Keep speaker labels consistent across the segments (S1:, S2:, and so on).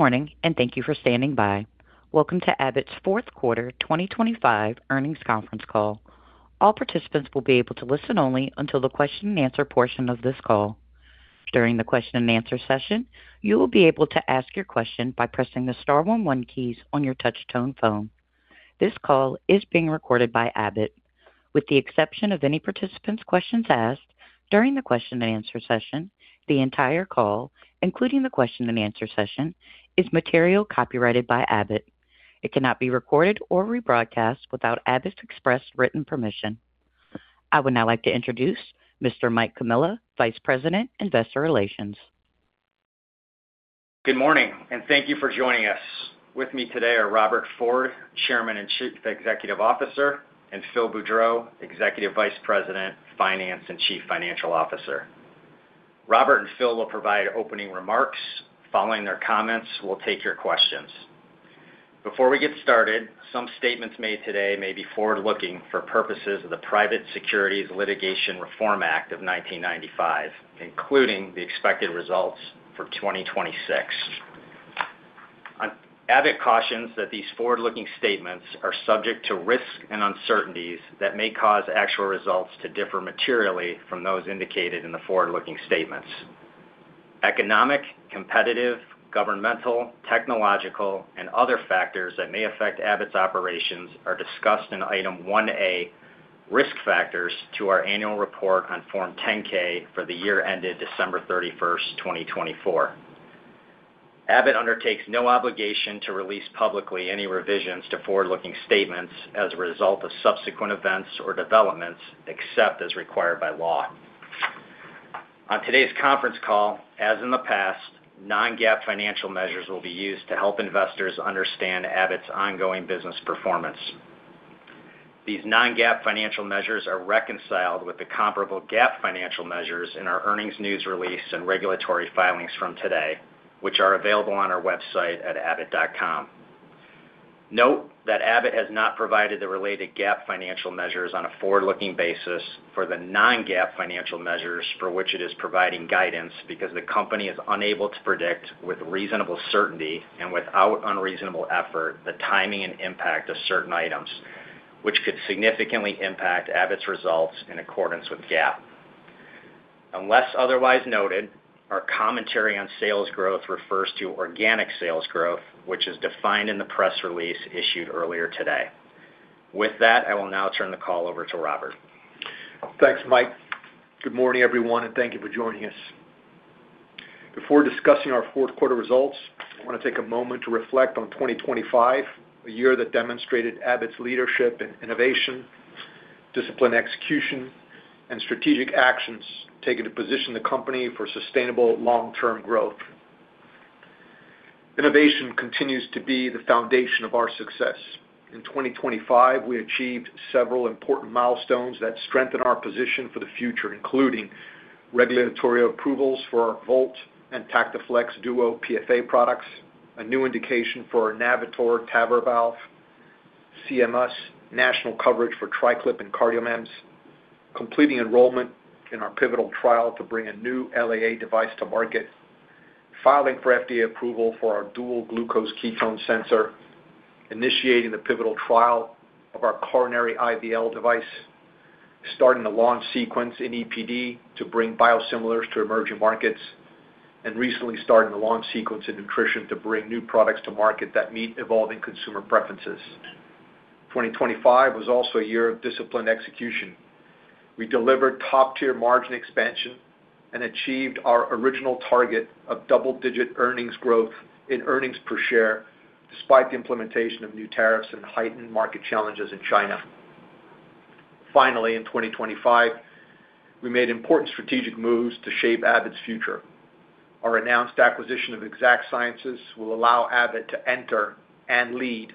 S1: Good morning, and thank you for standing by. Welcome to Abbott's fourth quarter 2025 earnings conference call. All participants will be able to listen only until the question-and-answer portion of this call. During the question-and-answer session, you will be able to ask your question by pressing the star 11 keys on your touch-tone phone. This call is being recorded by Abbott. With the exception of any participants' questions asked during the question-and-answer session, the entire call, including the question-and-answer session, is material copyrighted by Abbott. It cannot be recorded or rebroadcast without Abbott's express written permission. I would now like to introduce Mr. Mike Comilla, Vice President, Investor Relations.
S2: Good morning, and thank you for joining us. With me today are Robert Ford, Chairman and Chief Executive Officer, and Phil Boudreau, Executive Vice President, Finance and Chief Financial Officer. Robert and Phil will provide opening remarks. Following their comments, we'll take your questions. Before we get started, some statements made today may be forward-looking for purposes of the Private Securities Litigation Reform Act of 1995, including the expected results for 2026. Abbott cautions that these forward-looking statements are subject to risks and uncertainties that may cause actual results to differ materially from those indicated in the forward-looking statements. Economic, competitive, governmental, technological, and other factors that may affect Abbott's operations are discussed in Item 1A, Risk Factors, to our annual report on Form 10-K for the year ended December 31st, 2024. Abbott undertakes no obligation to release publicly any revisions to forward-looking statements as a result of subsequent events or developments, except as required by law. On today's conference call, as in the past, Non-GAAP financial measures will be used to help investors understand Abbott's ongoing business performance. These Non-GAAP financial measures are reconciled with the comparable GAAP financial measures in our earnings news release and regulatory filings from today, which are available on our website at abbott.com. Note that Abbott has not provided the related GAAP financial measures on a forward-looking basis for the Non-GAAP financial measures for which it is providing guidance because the company is unable to predict with reasonable certainty and without unreasonable effort the timing and impact of certain items, which could significantly impact Abbott's results in accordance with GAAP. Unless otherwise noted, our commentary on sales growth refers to organic sales growth, which is defined in the press release issued earlier today. With that, I will now turn the call over to Robert.
S3: Thanks, Mike. Good morning, everyone, and thank you for joining us. Before discussing our fourth quarter results, I want to take a moment to reflect on 2025, a year that demonstrated Abbott's leadership and innovation, discipline execution, and strategic actions taken to position the company for sustainable long-term growth. Innovation continues to be the foundation of our success. In 2025, we achieved several important milestones that strengthen our position for the future, including regulatory approvals for our Volt and TactiFlex Duo PFA products, a new indication for our Navitor TAVR Valve, CMS, national coverage for TriClip and CardioMEMS, completing enrollment in our pivotal trial to bring a new LAA device to market, filing for FDA approval for our dual glucose ketone sensor, initiating the pivotal trial of our coronary IVL device, starting the launch sequence in EPD to bring biosimilars to emerging markets, and recently starting the launch sequence in nutrition to bring new products to market that meet evolving consumer preferences. 2025 was also a year of disciplined execution. We delivered top-tier margin expansion and achieved our original target of double-digit earnings growth in earnings per share despite the implementation of new tariffs and heightened market challenges in China. Finally, in 2025, we made important strategic moves to shape Abbott's future. Our announced acquisition of Exact Sciences will allow Abbott to enter and lead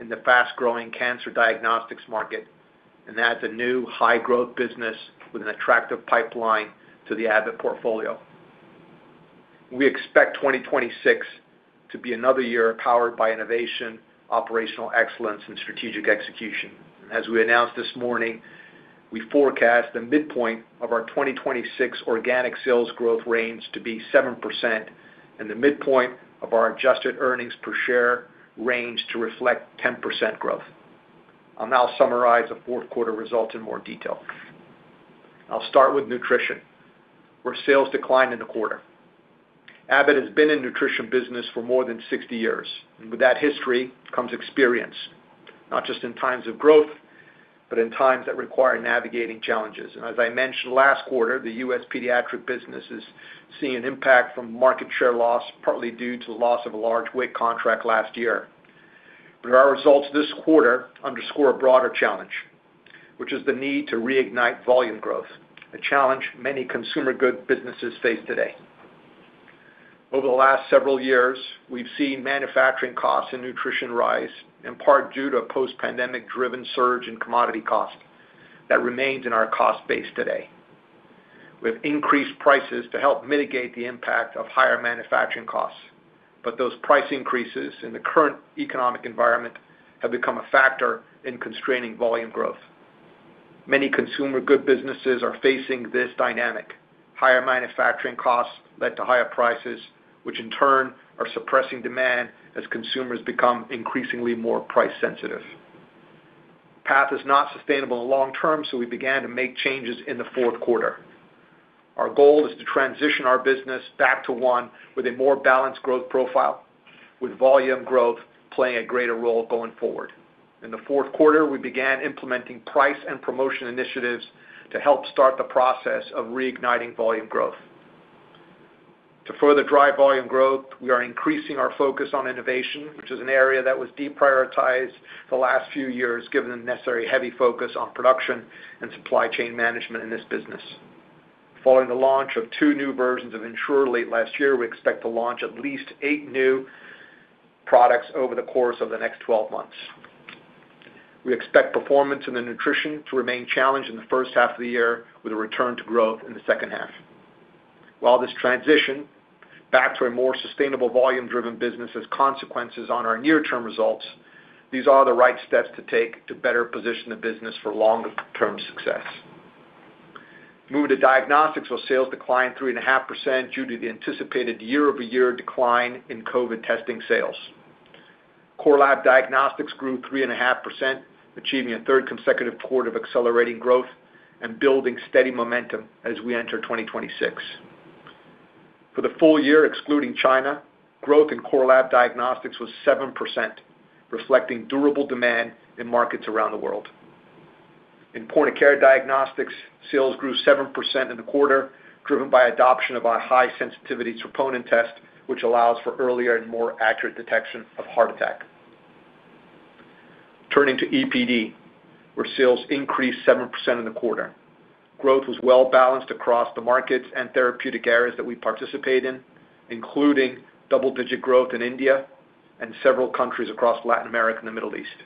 S3: in the fast-growing cancer diagnostics market and adds a new high-growth business with an attractive pipeline to the Abbott portfolio. We expect 2026 to be another year powered by innovation, operational excellence, and strategic execution. As we announced this morning, we forecast the midpoint of our 2026 organic sales growth range to be 7% and the midpoint of our adjusted earnings per share range to reflect 10% growth. I'll now summarize the fourth quarter results in more detail. I'll start with nutrition, where sales declined in the quarter. Abbott has been in the nutrition business for more than 60 years, and with that history comes experience, not just in times of growth, but in times that require navigating challenges. As I mentioned last quarter, the U.S. pediatric business is seeing an impact from market share loss, partly due to the loss of a large WIC contract last year. Our results this quarter underscore a broader challenge, which is the need to reignite volume growth, a challenge many consumer goods businesses face today. Over the last several years, we've seen manufacturing costs and nutrition rise, in part due to a post-pandemic-driven surge in commodity costs that remains in our cost base today. We have increased prices to help mitigate the impact of higher manufacturing costs, but those price increases in the current economic environment have become a factor in constraining volume growth. Many consumer goods businesses are facing this dynamic. Higher manufacturing costs led to higher prices, which in turn are suppressing demand as consumers become increasingly more price-sensitive. The path is not sustainable long-term, so we began to make changes in the fourth quarter. Our goal is to transition our business back to one with a more balanced growth profile, with volume growth playing a greater role going forward. In the fourth quarter, we began implementing price and promotion initiatives to help start the process of reigniting volume growth. To further drive volume growth, we are increasing our focus on innovation, which is an area that was deprioritized the last few years given the necessary heavy focus on production and supply chain management in this business. Following the launch of two new versions of Ensure late last year, we expect to launch at least eight new products over the course of the next 12 months. We expect performance in the nutrition to remain challenged in the first half of the year, with a return to growth in the second half. While this transition back to a more sustainable volume-driven business has consequences on our near-term results, these are the right steps to take to better position the business for longer-term success. Moving to diagnostics, where sales declined 3.5% due to the anticipated year-over-year decline in COVID testing sales. Core Lab Diagnostics grew 3.5%, achieving a third consecutive quarter of accelerating growth and building steady momentum as we enter 2026. For the full year, excluding China, growth in Core Lab Diagnostics was 7%, reflecting durable demand in markets around the world. In point-of-care diagnostics, sales grew 7% in the quarter, driven by adoption of our high-sensitivity troponin test, which allows for earlier and more accurate detection of heart attack. Turning to EPD, where sales increased 7% in the quarter. Growth was well-balanced across the markets and therapeutic areas that we participate in, including double-digit growth in India and several countries across Latin America and the Middle East.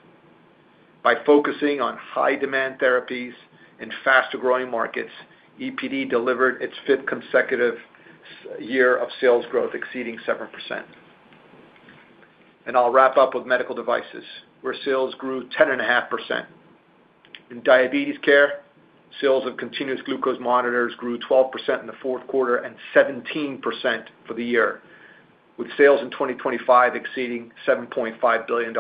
S3: By focusing on high-demand therapies in faster-growing markets, EPD delivered its fifth consecutive year of sales growth exceeding 7%, and I'll wrap up with medical devices, where sales grew 10.5%. In diabetes care, sales of continuous glucose monitors grew 12% in the fourth quarter and 17% for the year, with sales in 2025 exceeding $7.5 billion.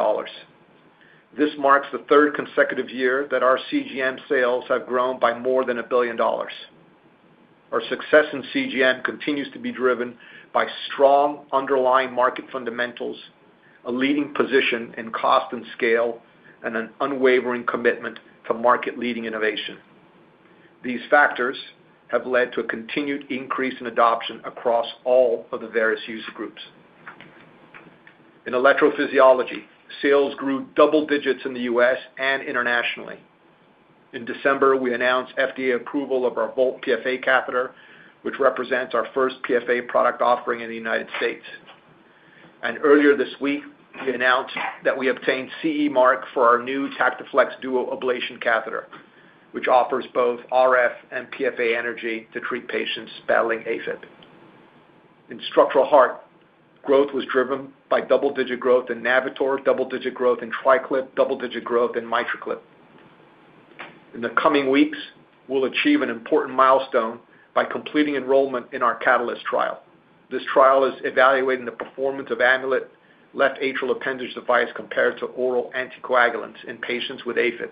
S3: This marks the third consecutive year that our CGM sales have grown by more than a billion dollars. Our success in CGM continues to be driven by strong underlying market fundamentals, a leading position in cost and scale, and an unwavering commitment to market-leading innovation. These factors have led to a continued increase in adoption across all of the various user groups. In electrophysiology, sales grew double digits in the U.S. and internationally. In December, we announced FDA approval of our Volt PFA catheter, which represents our first PFA product offering in the United States. And earlier this week, we announced that we obtained CE Mark for our new TactiFlex Duo ablation catheter, which offers both RF and PFA energy to treat patients battling AFib. In structural heart, growth was driven by double-digit growth in Navitor, double-digit growth in TriClip, double-digit growth in MitraClip. In the coming weeks, we'll achieve an important milestone by completing enrollment in our CATALYST trial. This trial is evaluating the performance of Amulet left atrial appendage device compared to oral anticoagulants in patients with AFib.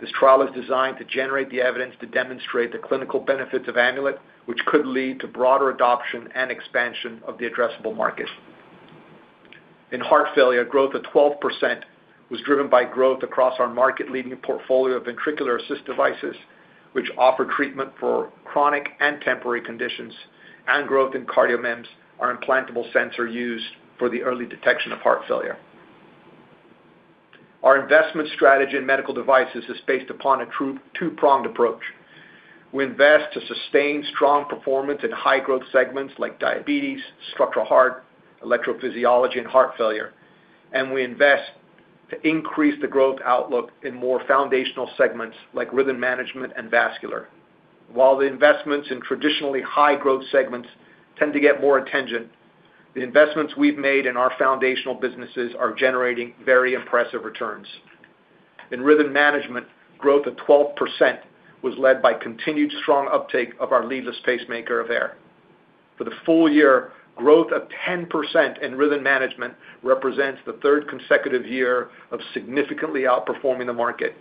S3: This trial is designed to generate the evidence to demonstrate the clinical benefits of Amulet, which could lead to broader adoption and expansion of the addressable market. In heart failure, growth of 12% was driven by growth across our market-leading portfolio of ventricular assist devices, which offer treatment for chronic and temporary conditions, and growth in CardioMEMS, our implantable sensor used for the early detection of heart failure. Our investment strategy in medical devices is based upon a true two-pronged approach. We invest to sustain strong performance in high-growth segments like diabetes, structural heart, electrophysiology, and heart failure, and we invest to increase the growth outlook in more foundational segments like rhythm management and vascular. While the investments in traditionally high-growth segments tend to get more attention, the investments we've made in our foundational businesses are generating very impressive returns. In rhythm management, growth of 12% was led by continued strong uptake of our leadless pacemaker Aveir. For the full year, growth of 10% in rhythm management represents the third consecutive year of significantly outperforming the market.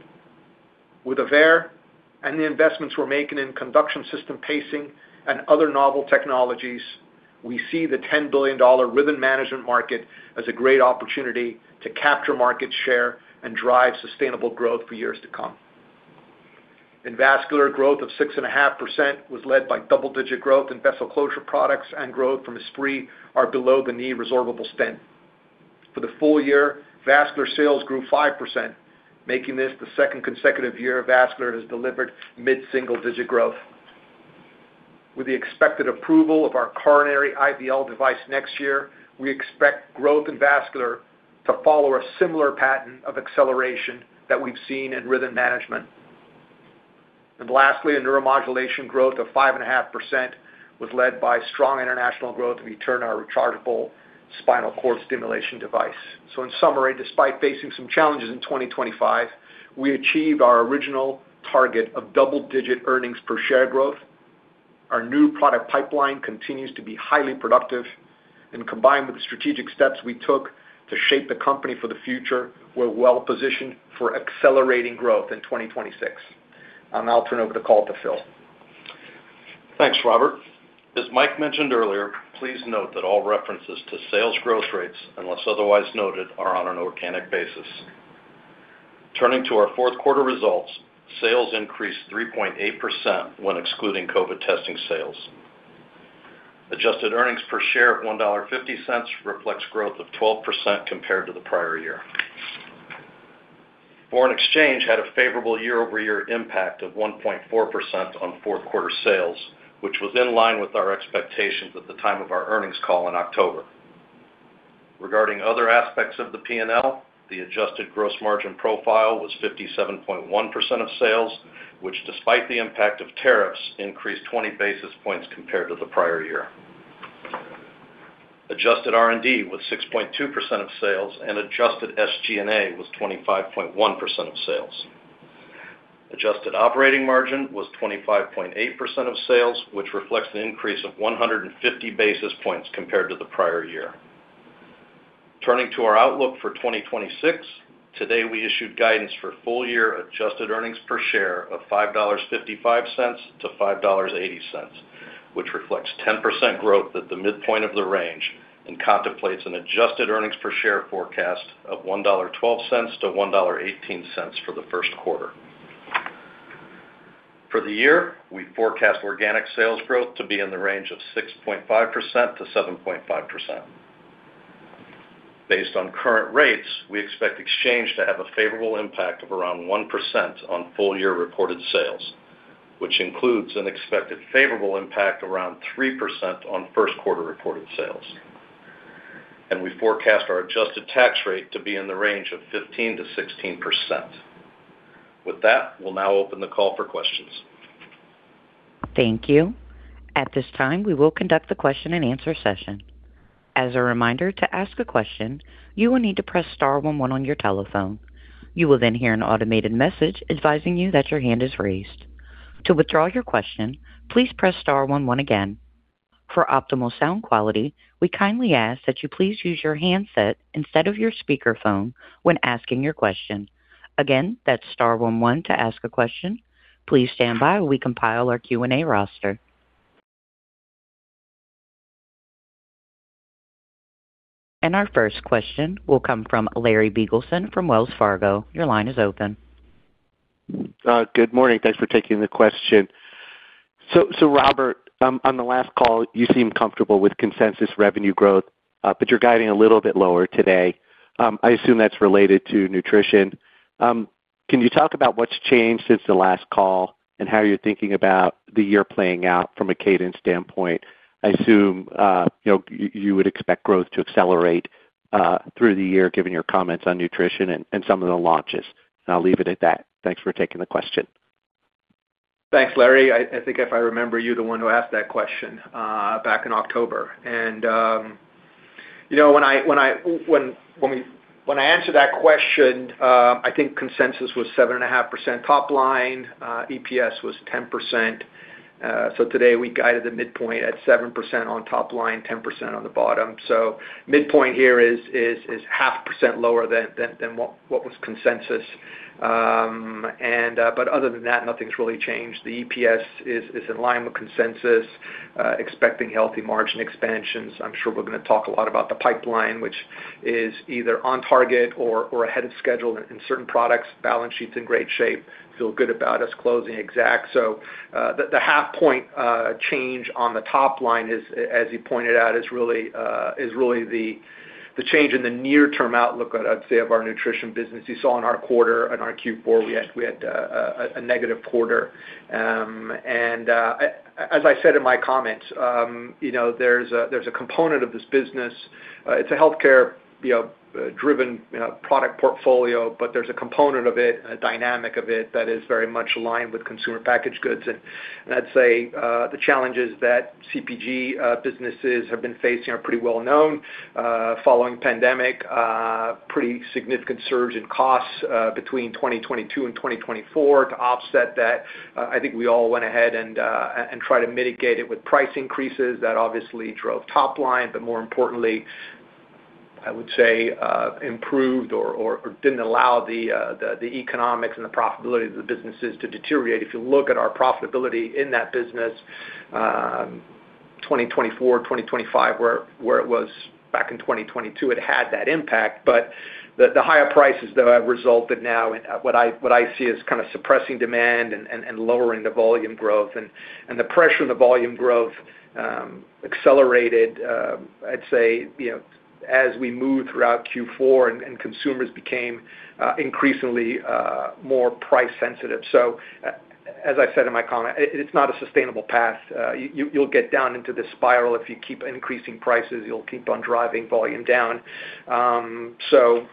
S3: With Aveir, and the investments we're making in conduction system pacing and other novel technologies, we see the $10 billion rhythm management market as a great opportunity to capture market share and drive sustainable growth for years to come. In vascular, growth of 6.5% was led by double-digit growth in vessel closure products and growth from Esprit, a below-the-knee resorbable stent. For the full year, vascular sales grew 5%, making this the second consecutive year vascular has delivered mid-single-digit growth. With the expected approval of our coronary IVL device next year, we expect growth in vascular to follow a similar pattern of acceleration that we've seen in rhythm management. Lastly, a neuromodulation growth of 5.5% was led by strong international growth in Eterna rechargeable spinal cord stimulation device. In summary, despite facing some challenges in 2025, we achieved our original target of double-digit earnings per share growth. Our new product pipeline continues to be highly productive, and combined with the strategic steps we took to shape the company for the future, we're well-positioned for accelerating growth in 2026. I'll now turn over the call to Phil.
S4: Thanks, Robert. As Mike mentioned earlier, please note that all references to sales growth rates, unless otherwise noted, are on an organic basis. Turning to our fourth quarter results, sales increased 3.8% when excluding COVID testing sales. Adjusted earnings per share of $1.50 reflects growth of 12% compared to the prior year. Foreign exchange had a favorable year-over-year impact of 1.4% on fourth quarter sales, which was in line with our expectations at the time of our earnings call in October. Regarding other aspects of the P&L, the adjusted gross margin profile was 57.1% of sales, which, despite the impact of tariffs, increased 20 basis points compared to the prior year. Adjusted R&D was 6.2% of sales, and adjusted SG&A was 25.1% of sales. Adjusted operating margin was 25.8% of sales, which reflects an increase of 150 basis points compared to the prior year. Turning to our outlook for 2026, today we issued guidance for full-year adjusted earnings per share of $5.55-$5.80, which reflects 10% growth at the midpoint of the range and contemplates an adjusted earnings per share forecast of $1.12-$1.18 for the first quarter. For the year, we forecast organic sales growth to be in the range of 6.5%-7.5%. Based on current rates, we expect exchange to have a favorable impact of around 1% on full-year reported sales, which includes an expected favorable impact around 3% on first-quarter reported sales. And we forecast our adjusted tax rate to be in the range of 15%-16%. With that, we'll now open the call for questions.
S1: Thank you. At this time, we will conduct the question-and-answer session. As a reminder, to ask a question, you will need to press star 11 on your telephone. You will then hear an automated message advising you that your hand is raised. To withdraw your question, please press star 11 again. For optimal sound quality, we kindly ask that you please use your handset instead of your speakerphone when asking your question. Again, that's star 11 to ask a question. Please stand by while we compile our Q&A roster. And our first question will come from Larry Biegelsen from Wells Fargo. Your line is open.
S5: Good morning. Thanks for taking the question. So, Robert, on the last call, you seemed comfortable with consensus revenue growth, but you're guiding a little bit lower today. I assume that's related to nutrition. Can you talk about what's changed since the last call and how you're thinking about the year playing out from a cadence standpoint? I assume you would expect growth to accelerate through the year, given your comments on nutrition and some of the launches. And I'll leave it at that. Thanks for taking the question.
S3: Thanks, Larry. I think if I remember, you're the one who asked that question back in October. And when I answered that question, I think consensus was 7.5% top line. EPS was 10%. So today, we guided the midpoint at 7% on top line, 10% on the bottom. So midpoint here is 0.5% lower than what was consensus. But other than that, nothing's really changed. The EPS is in line with consensus, expecting healthy margin expansions. I'm sure we're going to talk a lot about the pipeline, which is either on target or ahead of schedule in certain products. Balance sheet's in great shape. Feel good about us closing Exact Sciences. So the half-point change on the top line, as you pointed out, is really the change in the near-term outlook, I'd say, of our nutrition business. You saw in our quarter, in our Q4, we had a negative quarter. And as I said in my comments, there's a component of this business. It's a healthcare-driven product portfolio, but there's a component of it, a dynamic of it, that is very much aligned with consumer packaged goods. And I'd say the challenges that CPG businesses have been facing are pretty well-known. Following pandemic, pretty significant surge in costs between 2022 and 2024. To offset that, I think we all went ahead and tried to mitigate it with price increases that obviously drove top line, but more importantly, I would say, improved or didn't allow the economics and the profitability of the businesses to deteriorate. If you look at our profitability in that business, 2024, 2025, where it was back in 2022, it had that impact. But the higher prices, though, have resulted now in what I see as kind of suppressing demand and lowering the volume growth. And the pressure on the volume growth accelerated, I'd say, as we moved throughout Q4 and consumers became increasingly more price-sensitive. So as I said in my comment, it's not a sustainable path. You'll get down into this spiral if you keep increasing prices. You'll keep on driving volume down. So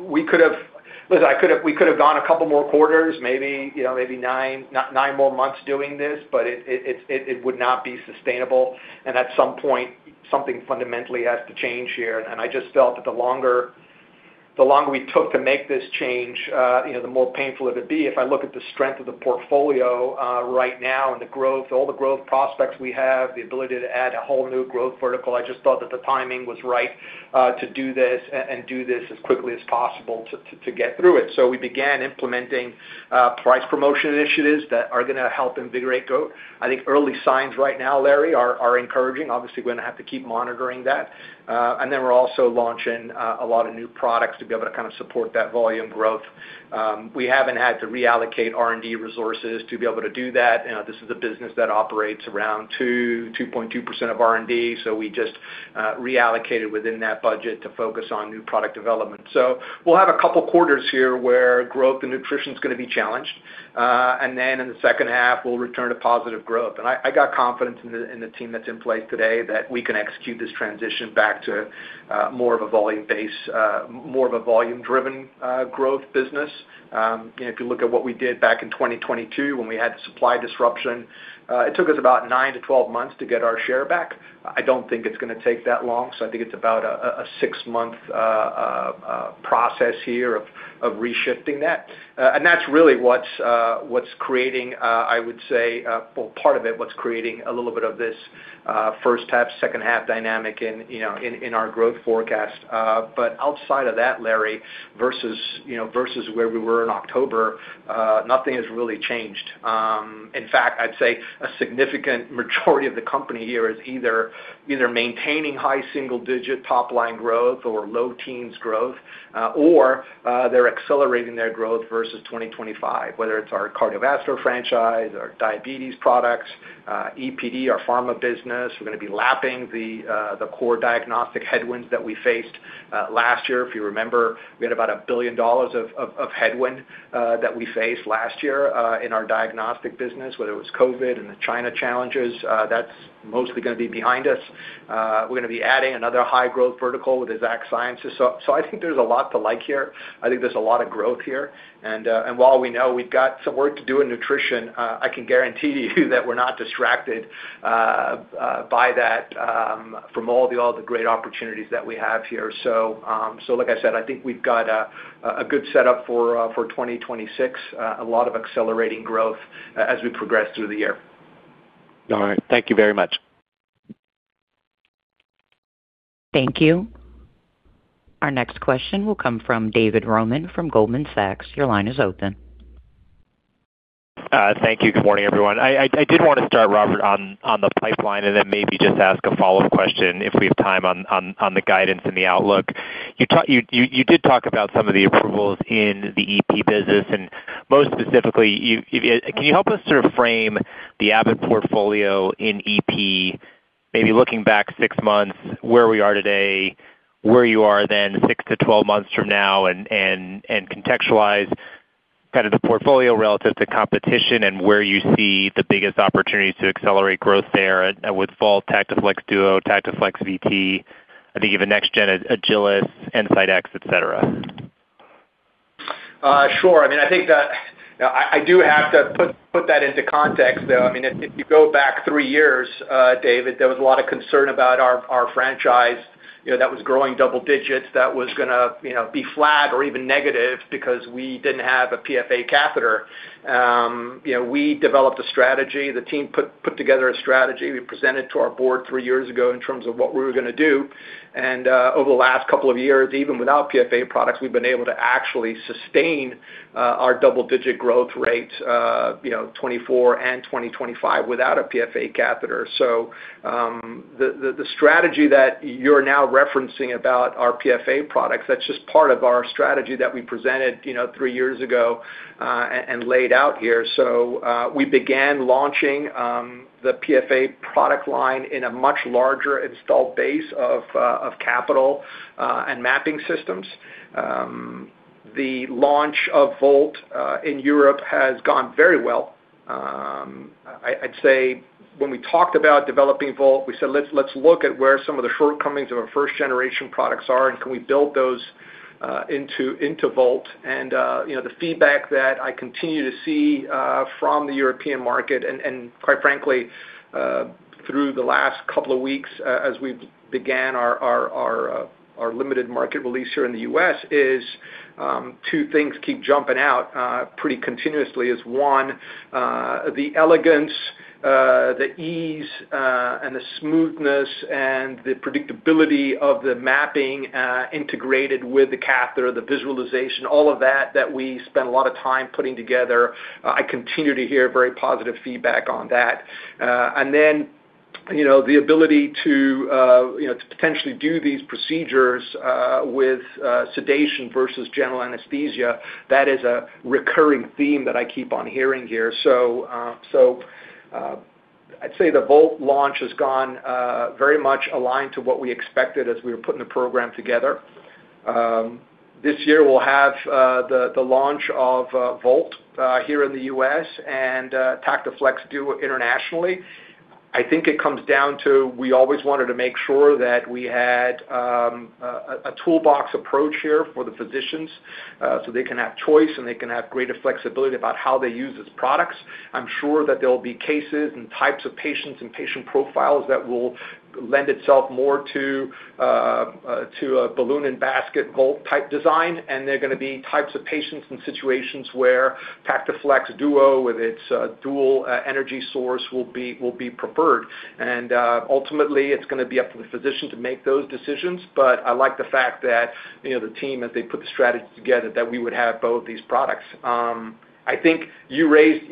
S3: we could have—we could have gone a couple more quarters, maybe nine more months doing this, but it would not be sustainable. And at some point, something fundamentally has to change here. And I just felt that the longer we took to make this change, the more painful it would be. If I look at the strength of the portfolio right now and all the growth prospects we have, the ability to add a whole new growth vertical, I just thought that the timing was right to do this and do this as quickly as possible to get through it, so we began implementing price promotion initiatives that are going to help invigorate growth. I think early signs right now, Larry, are encouraging. Obviously, we're going to have to keep monitoring that, and then we're also launching a lot of new products to be able to kind of support that volume growth. We haven't had to reallocate R&D resources to be able to do that. This is a business that operates around 2.2% of R&D, so we just reallocated within that budget to focus on new product development. We'll have a couple of quarters here where growth in nutrition is going to be challenged. And then in the second half, we'll return to positive growth. And I got confidence in the team that's in place today that we can execute this transition back to more of a volume-based, more of a volume-driven growth business. If you look at what we did back in 2022 when we had supply disruption, it took us about nine to 12 months to get our share back. I don't think it's going to take that long, so I think it's about a six-month process here of reshifting that. And that's really what's creating, I would say, part of it, what's creating a little bit of this first-half, second-half dynamic in our growth forecast. But outside of that, Larry, versus where we were in October, nothing has really changed. In fact, I'd say a significant majority of the company here is either maintaining high single-digit top-line growth or low teens growth, or they're accelerating their growth versus 2025, whether it's our cardiovascular franchise, our diabetes products, EPD, our pharma business. We're going to be lapping the core diagnostic headwinds that we faced last year. If you remember, we had about $1 billion of headwind that we faced last year in our diagnostic business, whether it was COVID and the China challenges. That's mostly going to be behind us. We're going to be adding another high-growth vertical with Exact Sciences. So I think there's a lot to like here. I think there's a lot of growth here. And while we know we've got some work to do in nutrition, I can guarantee you that we're not distracted by that from all the great opportunities that we have here. So like I said, I think we've got a good setup for 2026, a lot of accelerating growth as we progress through the year.
S5: All right. Thank you very much.
S1: Thank you. Our next question will come from David Roman from Goldman Sachs. Your line is open.
S6: Thank you. Good morning, everyone. I did want to start, Robert, on the pipeline and then maybe just ask a follow-up question if we have time on the guidance and the outlook. You did talk about some of the approvals in the EP business. And most specifically, can you help us sort of frame the Abbott portfolio in EP, maybe looking back six months, where we are today, where you are then six to 12 months from now, and contextualize kind of the portfolio relative to competition and where you see the biggest opportunities to accelerate growth there with Volt, TactiFlex Duo, TactiFlex VT, I think even NextGen, Agilis, EnSite X, etc.
S3: Sure. I mean, I think that I do have to put that into context, though. I mean, if you go back three years, David, there was a lot of concern about our franchise that was growing double digits, that was going to be flat or even negative because we didn't have a PFA catheter. We developed a strategy. The team put together a strategy. We presented to our board three years ago in terms of what we were going to do. And over the last couple of years, even without PFA products, we've been able to actually sustain our double-digit growth rate, 2024 and 2025, without a PFA catheter. So the strategy that you're now referencing about our PFA products, that's just part of our strategy that we presented three years ago and laid out here. So we began launching the PFA product line in a much larger installed base of capital and mapping systems. The launch of Volt in Europe has gone very well. I'd say when we talked about developing Volt, we said, "Let's look at where some of the shortcomings of our first-generation products are, and can we build those into Volt?" And the feedback that I continue to see from the European market, and quite frankly, through the last couple of weeks as we began our limited market release here in the U.S., is two things keep jumping out pretty continuously. It's one, the elegance, the ease, and the smoothness, and the predictability of the mapping integrated with the catheter, the visualization, all of that that we spent a lot of time putting together. I continue to hear very positive feedback on that. And then the ability to potentially do these procedures with sedation versus general anesthesia, that is a recurring theme that I keep on hearing here. So I'd say the Volt launch has gone very much aligned to what we expected as we were putting the program together. This year, we'll have the launch of Volt here in the U.S. and TactiFlex Duo internationally. I think it comes down to we always wanted to make sure that we had a toolbox approach here for the physicians so they can have choice and they can have greater flexibility about how they use these products. I'm sure that there will be cases and types of patients and patient profiles that will lend itself more to a balloon and basket Volt-type design. And there are going to be types of patients and situations where TactiFlex Duo with its dual energy source will be preferred. Ultimately, it's going to be up to the physician to make those decisions. I like the fact that the team, as they put the strategy together, that we would have both these products. I think you raised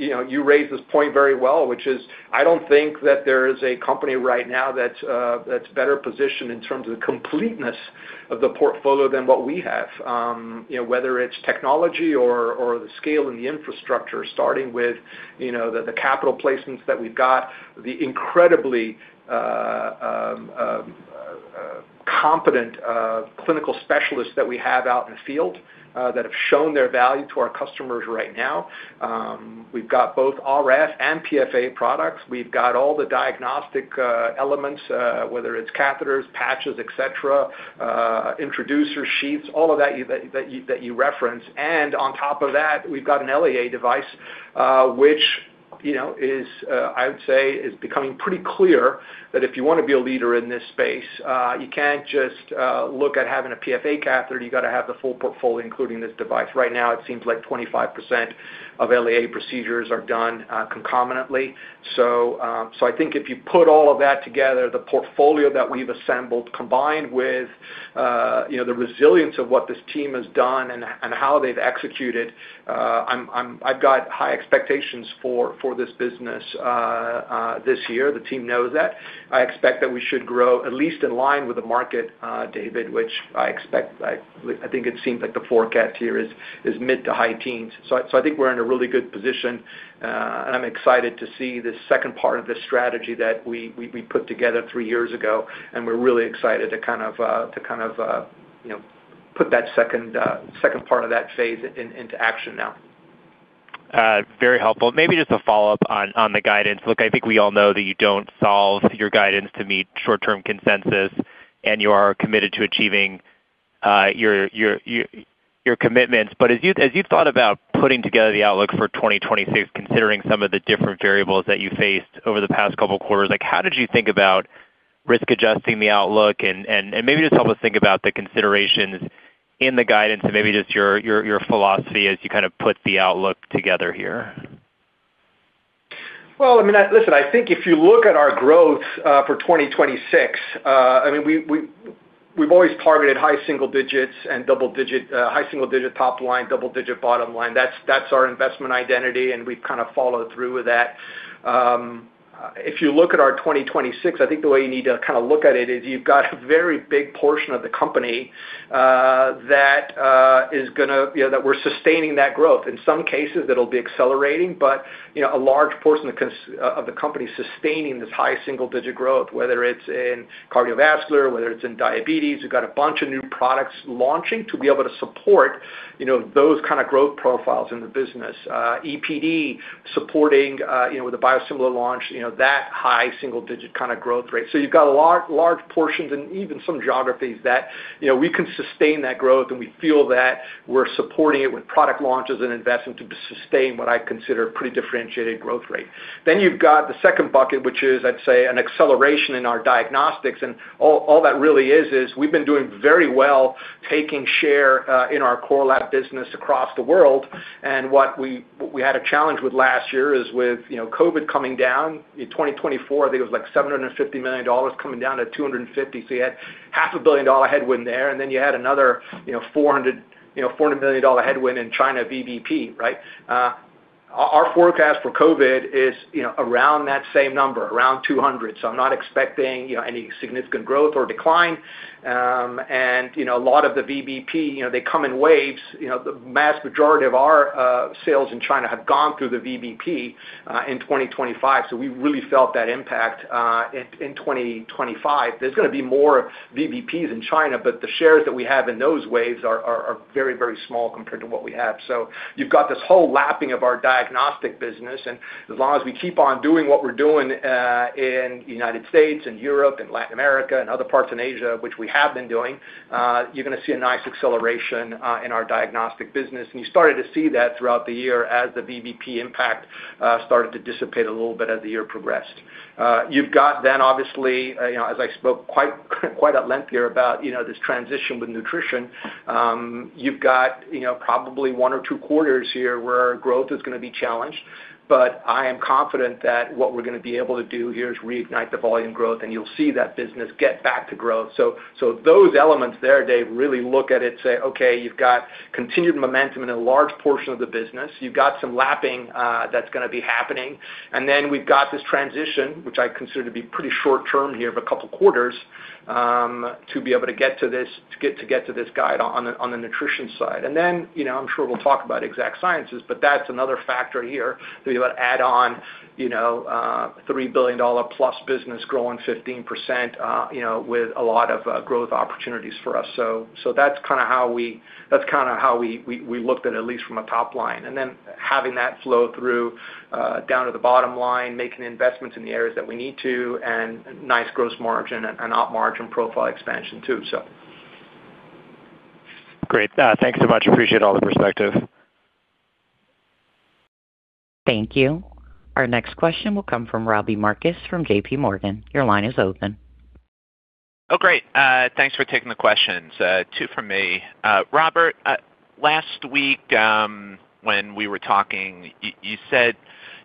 S3: this point very well, which is I don't think that there is a company right now that's better positioned in terms of the completeness of the portfolio than what we have, whether it's technology or the scale and the infrastructure, starting with the capital placements that we've got, the incredibly competent clinical specialists that we have out in the field that have shown their value to our customers right now. We've got both RF and PFA products. We've got all the diagnostic elements, whether it's catheters, patches, etc., introducers, sheaths, all of that that you referenced. And on top of that, we've got an LAA device, which is, I would say, becoming pretty clear that if you want to be a leader in this space, you can't just look at having a PFA catheter. You got to have the full portfolio, including this device. Right now, it seems like 25% of LAA procedures are done concomitantly. So I think if you put all of that together, the portfolio that we've assembled, combined with the resilience of what this team has done and how they've executed, I've got high expectations for this business this year. The team knows that. I expect that we should grow at least in line with the market, David, which I expect. I think it seems like the forecast here is mid to high teens. So I think we're in a really good position. I'm excited to see the second part of the strategy that we put together three years ago. We're really excited to kind of put that second part of that phase into action now.
S6: Very helpful. Maybe just a follow-up on the guidance. Look, I think we all know that you don't set your guidance to meet short-term consensus, and you are committed to achieving your commitments. But as you thought about putting together the outlook for 2026, considering some of the different variables that you faced over the past couple of quarters, how did you think about risk-adjusting the outlook? And maybe just help us think about the considerations in the guidance and maybe just your philosophy as you kind of put the outlook together here.
S3: I mean, listen, I think if you look at our growth for 2026, I mean, we've always targeted high single digits and double digit, high single digit top line, double digit bottom line. That's our investment identity, and we've kind of followed through with that. If you look at our 2026, I think the way you need to kind of look at it is you've got a very big portion of the company that is going to that we're sustaining that growth. In some cases, it'll be accelerating, but a large portion of the company is sustaining this high single digit growth, whether it's in cardiovascular, whether it's in diabetes. We've got a bunch of new products launching to be able to support those kind of growth profiles in the business. EPD supporting with the biosimilar launch, that high single digit kind of growth rate. You've got large portions and even some geographies that we can sustain that growth, and we feel that we're supporting it with product launches and investment to sustain what I consider a pretty differentiated growth rate. Then you've got the second bucket, which is, I'd say, an acceleration in our diagnostics. And all that really is, is we've been doing very well taking share in our core lab business across the world. And what we had a challenge with last year is with COVID coming down. In 2024, I think it was like $750 million coming down to $250 million. So you had $500 million headwind there, and then you had another $400 million headwind in China VBP, right? Our forecast for COVID is around that same number, around $200 million. So I'm not expecting any significant growth or decline. A lot of the VBP, they come in waves. The vast majority of our sales in China have gone through the VBP in 2025. We really felt that impact in 2025. There's going to be more VBPs in China, but the shares that we have in those waves are very, very small compared to what we have. You've got this whole lapping of our diagnostic business. As long as we keep on doing what we're doing in the United States and Europe and Latin America and other parts in Asia, which we have been doing, you're going to see a nice acceleration in our diagnostic business. You started to see that throughout the year as the VBP impact started to dissipate a little bit as the year progressed. You've got then, obviously, as I spoke quite at length here about this transition with nutrition, you've got probably one or two quarters here where growth is going to be challenged. But I am confident that what we're going to be able to do here is reignite the volume growth, and you'll see that business get back to growth. So those elements there, they really look at it and say, "Okay, you've got continued momentum in a large portion of the business. You've got some lapping that's going to be happening." And then we've got this transition, which I consider to be pretty short-term here of a couple of quarters to be able to get to this guide on the nutrition side. And then I'm sure we'll talk about Exact Sciences, but that's another factor here to be able to add on $3+ billion business growing 15% with a lot of growth opportunities for us. So that's kind of how we looked at it at least from a top line. And then having that flow through down to the bottom line, making investments in the areas that we need to, and nice gross margin and up margin profile expansion too, so.
S6: Great. Thanks so much. Appreciate all the perspective.
S1: Thank you. Our next question will come from Robbie Marcus from JPMorgan. Your line is open.
S7: Oh, great. Thanks for taking the questions. Two for me. Robert, last week when we were talking, you said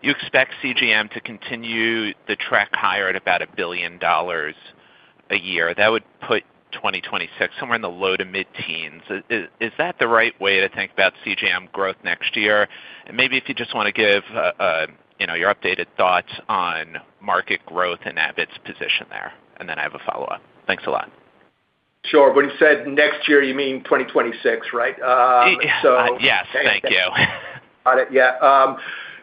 S7: you expect CGM to continue to track higher at about $1 billion a year. That would put 2026 somewhere in the low to mid teens. Is that the right way to think about CGM growth next year? And maybe if you just want to give your updated thoughts on market growth and Abbott's position there. And then I have a follow-up. Thanks a lot.
S3: Sure. When you said next year, you mean 2026, right?
S7: Yes. Thank you.
S3: Got it. Yeah.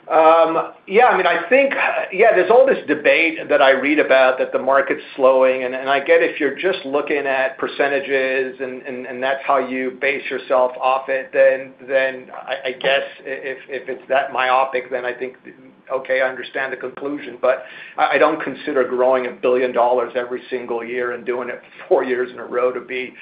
S3: Yeah. I mean, I think, yeah, there's all this debate that I read about that the market's slowing. And I get if you're just looking at percentages and that's how you base yourself off it, then I guess if it's that myopic, then I think, okay, I understand the conclusion. But I don't consider growing $1 billion every single year and doing it for years in a row to be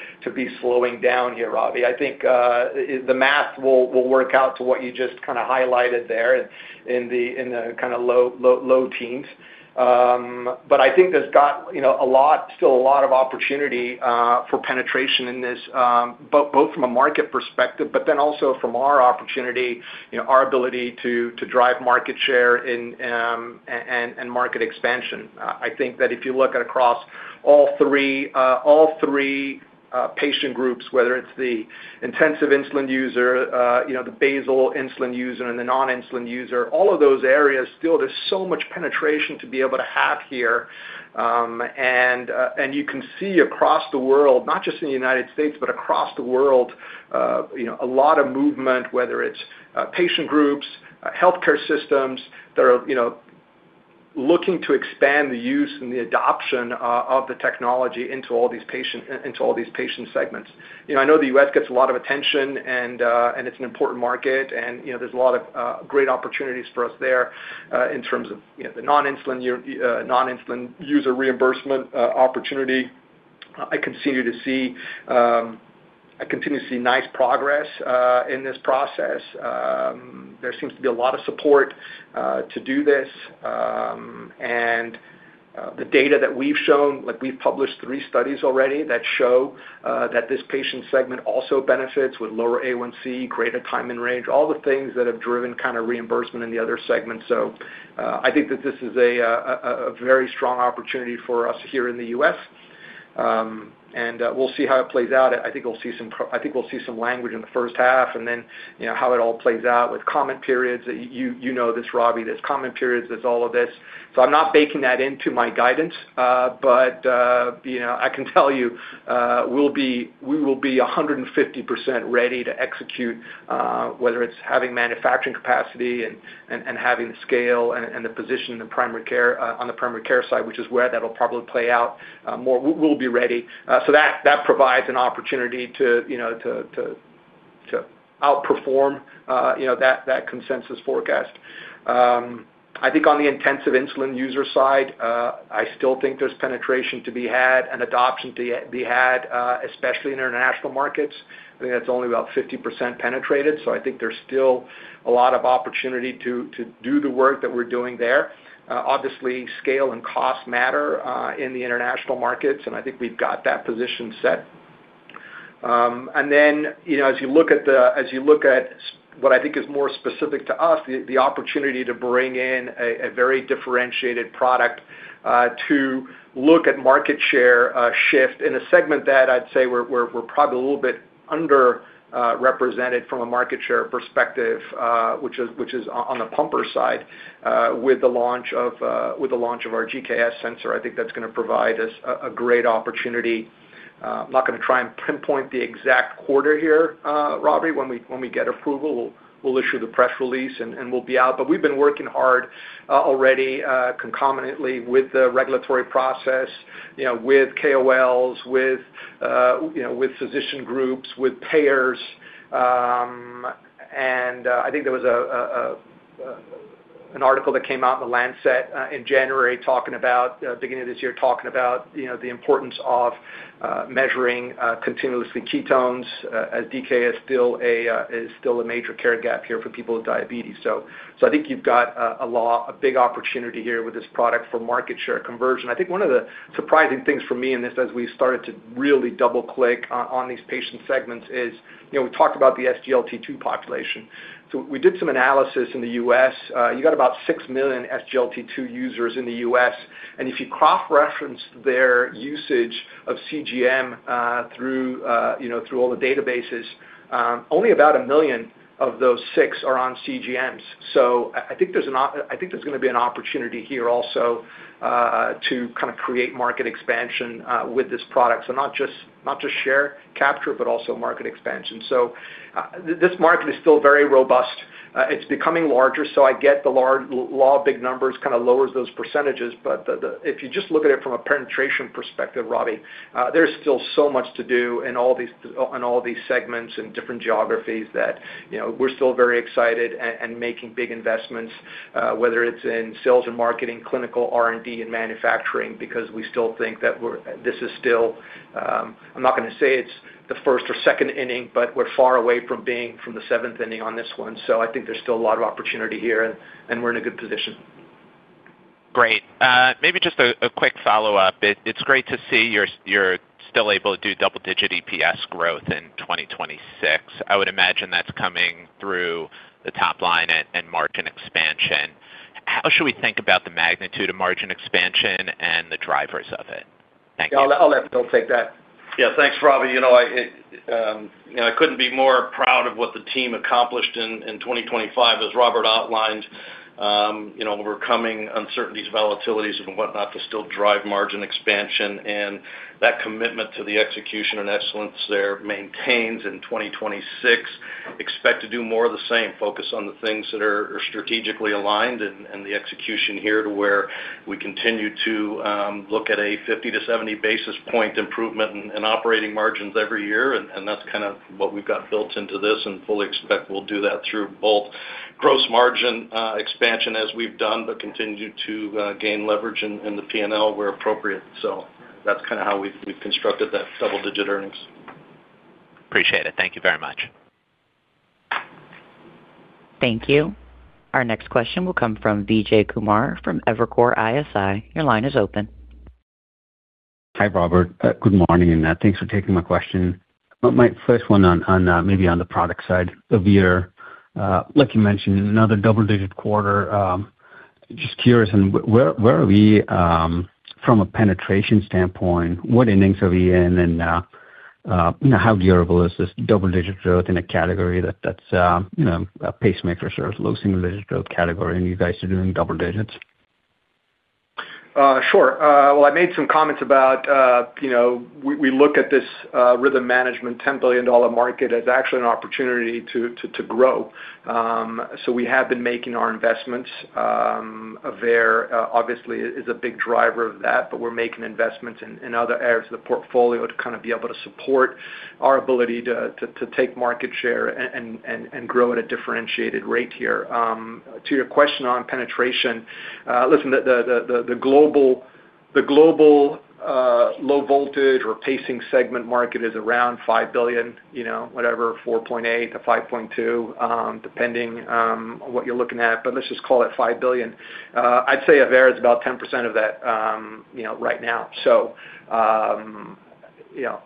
S3: slowing down here, Robbie. I think the math will work out to what you just kind of highlighted there in the kind of low teens. But I think there's still a lot of opportunity for penetration in this, both from a market perspective, but then also from our opportunity, our ability to drive market share and market expansion. I think that if you look at across all three patient groups, whether it's the intensive insulin user, the basal insulin user, and the non-insulin user, all of those areas, still, there's so much penetration to be able to have here. And you can see across the world, not just in the United States, but across the world, a lot of movement, whether it's patient groups, healthcare systems that are looking to expand the use and the adoption of the technology into all these patient segments. I know the US gets a lot of attention, and it's an important market. And there's a lot of great opportunities for us there in terms of the non-insulin user reimbursement opportunity. I continue to see nice progress in this process. There seems to be a lot of support to do this. The data that we've shown, we've published three studies already that show that this patient segment also benefits with lower A1C, greater time in range, all the things that have driven kind of reimbursement in the other segments. So I think that this is a very strong opportunity for us here in the U.S. And we'll see how it plays out. I think we'll see some language in the first half and then how it all plays out with comment periods. You know this, Robbie, there's comment periods, there's all of this. So I'm not baking that into my guidance, but I can tell you we will be 150% ready to execute, whether it's having manufacturing capacity and having the scale and the position on the primary care side, which is where that'll probably play out more. We'll be ready. So that provides an opportunity to outperform that consensus forecast. I think on the intensive insulin user side, I still think there's penetration to be had and adoption to be had, especially in international markets. I think that's only about 50% penetrated. So I think there's still a lot of opportunity to do the work that we're doing there. Obviously, scale and cost matter in the international markets, and I think we've got that position set. And then as you look at what I think is more specific to us, the opportunity to bring in a very differentiated product to look at market share shift in a segment that I'd say we're probably a little bit underrepresented from a market share perspective, which is on the pumper side with the launch of our CGM sensor. I think that's going to provide us a great opportunity. I'm not going to try and pinpoint the exact quarter here, Robbie. When we get approval, we'll issue the press release and we'll be out. But we've been working hard already concomitantly with the regulatory process, with KOLs, with physician groups, with payers. And I think there was an article that came out in the Lancet in January talking about, beginning of this year, talking about the importance of measuring continuously ketones as DKA is still a major care gap here for people with diabetes. So I think you've got a big opportunity here with this product for market share conversion. I think one of the surprising things for me in this, as we started to really double-click on these patient segments, is we talked about the SGLT2 population. So we did some analysis in the US. You got about six million SGLT2 users in the US. And if you cross-reference their usage of CGM through all the databases, only about a million of those six are on CGMs. So I think there's going to be an opportunity here also to kind of create market expansion with this product, so not just share capture, but also market expansion. So this market is still very robust. It's becoming larger. So I get the math. Big numbers kind of lowers those percentages. But if you just look at it from a penetration perspective, Robbie, there's still so much to do in all these segments and different geographies that we're still very excited and making big investments, whether it's in sales and marketing, clinical, R&D, and manufacturing, because we still think that this is still. I'm not going to say it's the first or second inning, but we're far away from being from the seventh inning on this one. So I think there's still a lot of opportunity here, and we're in a good position.
S7: Great. Maybe just a quick follow-up. It's great to see you're still able to do double-digit EPS growth in 2026. I would imagine that's coming through the top line and margin expansion. How should we think about the magnitude of margin expansion and the drivers of it? Thank you.
S3: I'll let Phil take that.
S4: Yeah. Thanks, Robbie. I couldn't be more proud of what the team accomplished in 2025, as Robert outlined, overcoming uncertainties, volatilities, and whatnot to still drive margin expansion, and that commitment to the execution and excellence there maintains in 2026. Expect to do more of the same, focus on the things that are strategically aligned and the execution here to where we continue to look at a 50-70 basis-point improvement in operating margins every year, and that's kind of what we've got built into this, and fully expect we'll do that through both gross margin expansion as we've done, but continue to gain leverage in the P&L where appropriate, so that's kind of how we've constructed that double-digit earnings.
S7: Appreciate it. Thank you very much.
S1: Thank you. Our next question will come from Vijay Kumar from Evercore ISI. Your line is open.
S8: Hi, Robert. Good morning, and thanks for taking my question. My first one on maybe on the product side this year, like you mentioned, another double-digit quarter. Just curious, where are we from a penetration standpoint? What innings are we in? And how durable is this double-digit growth in a category that's a pacemaker or low single-digit growth category, and you guys are doing double digits?
S3: Sure. Well, I made some comments about we look at this rhythm management $10 billion market as actually an opportunity to grow. So we have been making our investments. Aveir, obviously, is a big driver of that, but we're making investments in other areas of the portfolio to kind of be able to support our ability to take market share and grow at a differentiated rate here. To your question on penetration, listen, the global low voltage or pacing segment market is around $5 billion, whatever, $4.8 billon-$5.2 billion, depending on what you're looking at. But let's just call it $5 billion. I'd say Aveir is about 10% of that right now. So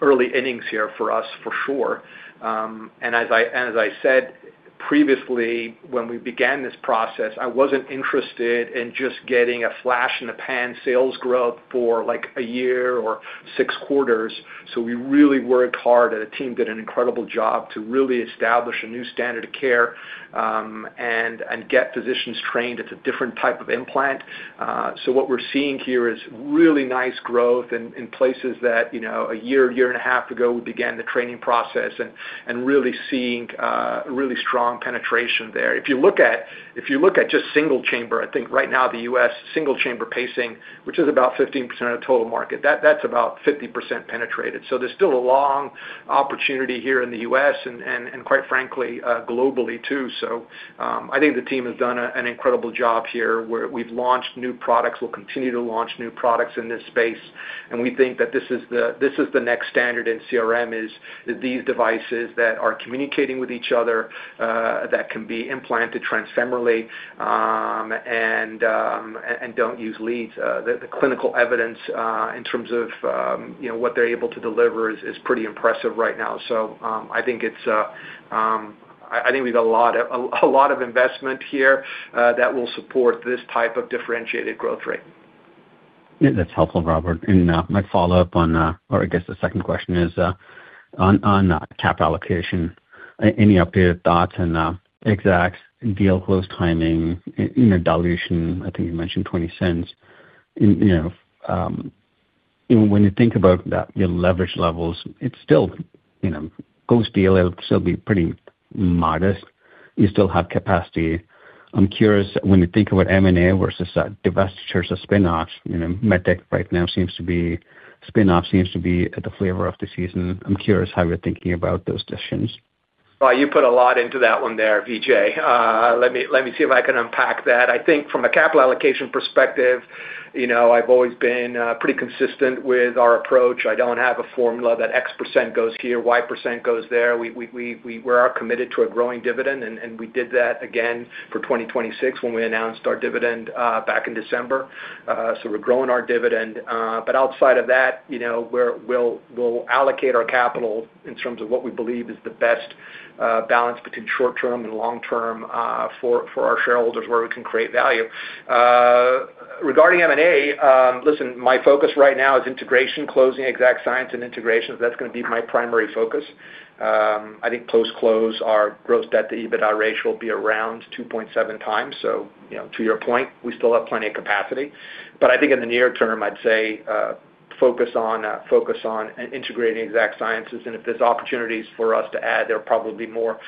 S3: early innings here for us, for sure. And as I said previously, when we began this process, I wasn't interested in just getting a flash-in-the-pan sales growth for a year or six quarters. We really worked hard. The team did an incredible job to really establish a new standard of care and get physicians trained at a different type of implant. What we're seeing here is really nice growth in places that a year, year and a half ago, we began the training process and really seeing really strong penetration there. If you look at just single chamber, I think right now the U.S. single chamber pacing, which is about 15% of the total market, that's about 50% penetrated. There's still a long opportunity here in the U.S. and, quite frankly, globally too. I think the team has done an incredible job here. We've launched new products. We'll continue to launch new products in this space. We think that this is the next standard in CRM is these devices that are communicating with each other that can be implanted transfemorally and don't use leads. The clinical evidence in terms of what they're able to deliver is pretty impressive right now. I think we've got a lot of investment here that will support this type of differentiated growth rate.
S8: That's helpful, Robert. And my follow-up on, or I guess the second question is on capital allocation, any updated thoughts on exact deal close timing, dilution? I think you mentioned $0.20. When you think about your leverage levels, if the deal goes, it'll still be pretty modest. You still have capacity. I'm curious, when you think about M&A versus divestitures or spin-offs, MedTech right now, spin-offs seem to be the flavor of the season. I'm curious how you're thinking about those decisions.
S3: Well, you put a lot into that one there, Vijay. Let me see if I can unpack that. I think from a capital allocation perspective, I've always been pretty consistent with our approach. I don't have a formula that X% goes here, Y% goes there. We are committed to a growing dividend, and we did that again for 2026 when we announced our dividend back in December. So we're growing our dividend. But outside of that, we'll allocate our capital in terms of what we believe is the best balance between short-term and long-term for our shareholders where we can create value. Regarding M&A, listen, my focus right now is integration, closing Exact Sciences, and integration. That's going to be my primary focus. I think post-close, our gross debt-to-EBITDA ratio will be around 2.7 times. So to your point, we still have plenty of capacity. But I think in the near term, I'd say focus on integrating Exact Sciences. And if there's opportunities for us to add, there will probably be more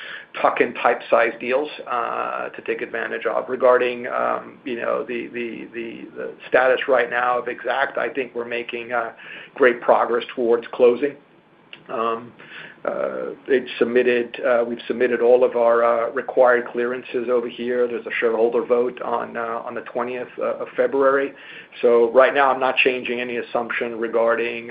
S3: tuck-in and bite-sized deals to take advantage of. Regarding the status right now of Exact Sciences, I think we're making great progress towards closing. We've submitted all of our required clearances over here. There's a shareholder vote on the 20th of February. So right now, I'm not changing any assumption regarding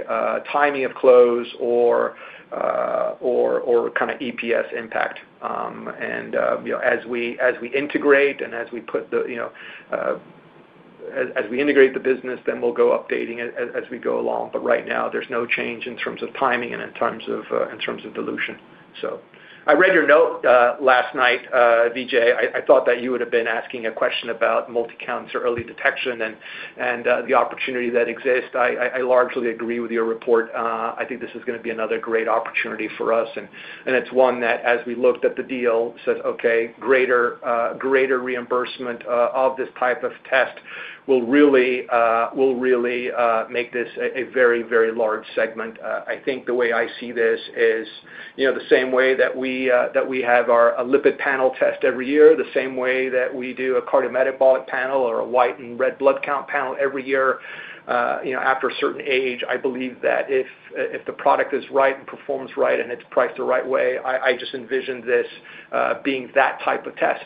S3: timing of close or kind of EPS impact. And as we integrate the business, then we'll go updating it as we go along. But right now, there's no change in terms of timing and in terms of dilution. So I read your note last night, Vijay. I thought that you would have been asking a question about multi-cancers or early detection and the opportunity that exists. I largely agree with your report. I think this is going to be another great opportunity for us. And it's one that, as we looked at the deal, says, "Okay, greater reimbursement of this type of test will really make this a very, very large segment." I think the way I see this is the same way that we have a lipid panel test every year, the same way that we do a cardiometabolic panel or a white and red blood count panel every year after a certain age. I believe that if the product is right and performs right and it's priced the right way, I just envision this being that type of test.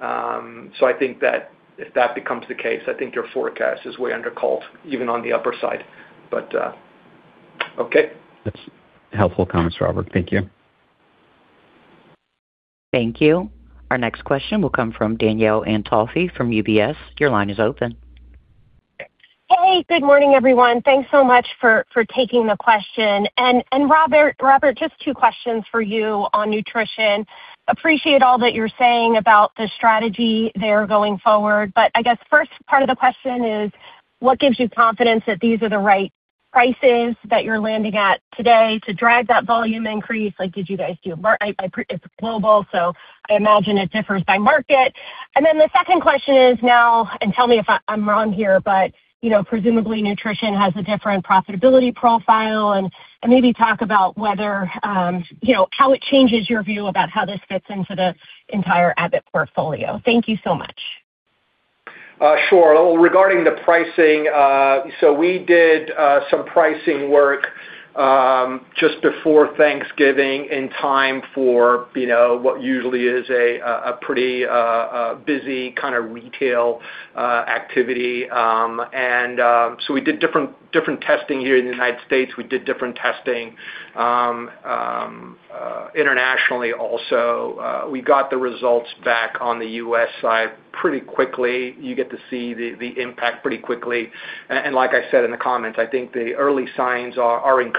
S3: So I think that if that becomes the case, I think your forecast is way undercalled, even on the upper side. But okay.
S8: That's helpful comments, Robert. Thank you.
S1: Thank you. Our next question will come from Danielle Antalffy from UBS. Your line is open.
S9: Hey, good morning, everyone. Thanks so much for taking the question. And Robert, just two questions for you on nutrition. Appreciate all that you're saying about the strategy there going forward. But I guess first part of the question is, what gives you confidence that these are the right prices that you're landing at today to drive that volume increase? Did you guys do? It's global, so I imagine it differs by market. And then the second question is now, and tell me if I'm wrong here, but presumably nutrition has a different profitability profile, and maybe talk about how it changes your view about how this fits into the entire Abbott portfolio. Thank you so much.
S3: Sure. Well, regarding the pricing, so we did some pricing work just before Thanksgiving in time for what usually is a pretty busy kind of retail activity. And so we did different testing here in the United States. We did different testing internationally also. We got the results back on the U.S. side pretty quickly. You get to see the impact pretty quickly. And like I said in the comments, I think the early signs are encouraging.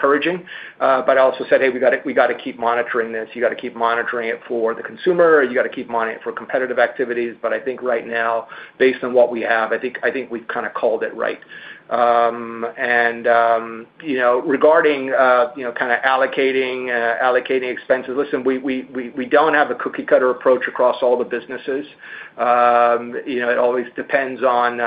S3: But I also said, "Hey, we got to keep monitoring this. You got to keep monitoring it for the consumer. You got to keep monitoring it for competitive activities." But I think right now, based on what we have, I think we've kind of called it right. And regarding kind of allocating expenses, listen, we don't have a cookie-cutter approach across all the businesses. It always depends on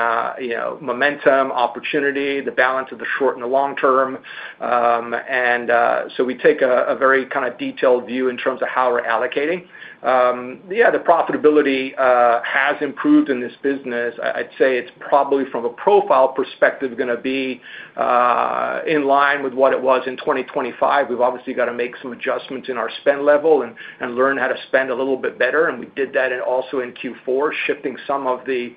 S3: momentum, opportunity, the balance of the short and the long term, and so we take a very kind of detailed view in terms of how we're allocating. Yeah, the profitability has improved in this business. I'd say it's probably from a profile perspective going to be in line with what it was in 2025. We've obviously got to make some adjustments in our spend level and learn how to spend a little bit better, and we did that also in Q4, shifting some of the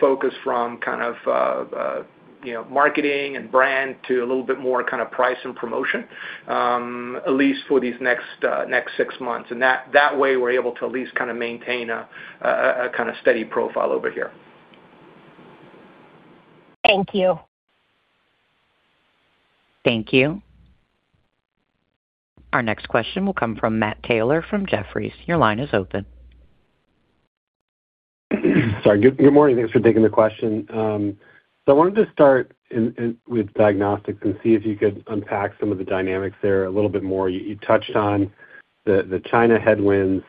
S3: focus from kind of marketing and brand to a little bit more kind of price and promotion, at least for these next six months, and that way, we're able to at least kind of maintain a kind of steady profile over here.
S9: Thank you.
S1: Thank you. Our next question will come from Matt Taylor from Jefferies. Your line is open.
S10: Sorry. Good morning. Thanks for taking the question. So I wanted to start with diagnostics and see if you could unpack some of the dynamics there a little bit more. You touched on the China headwinds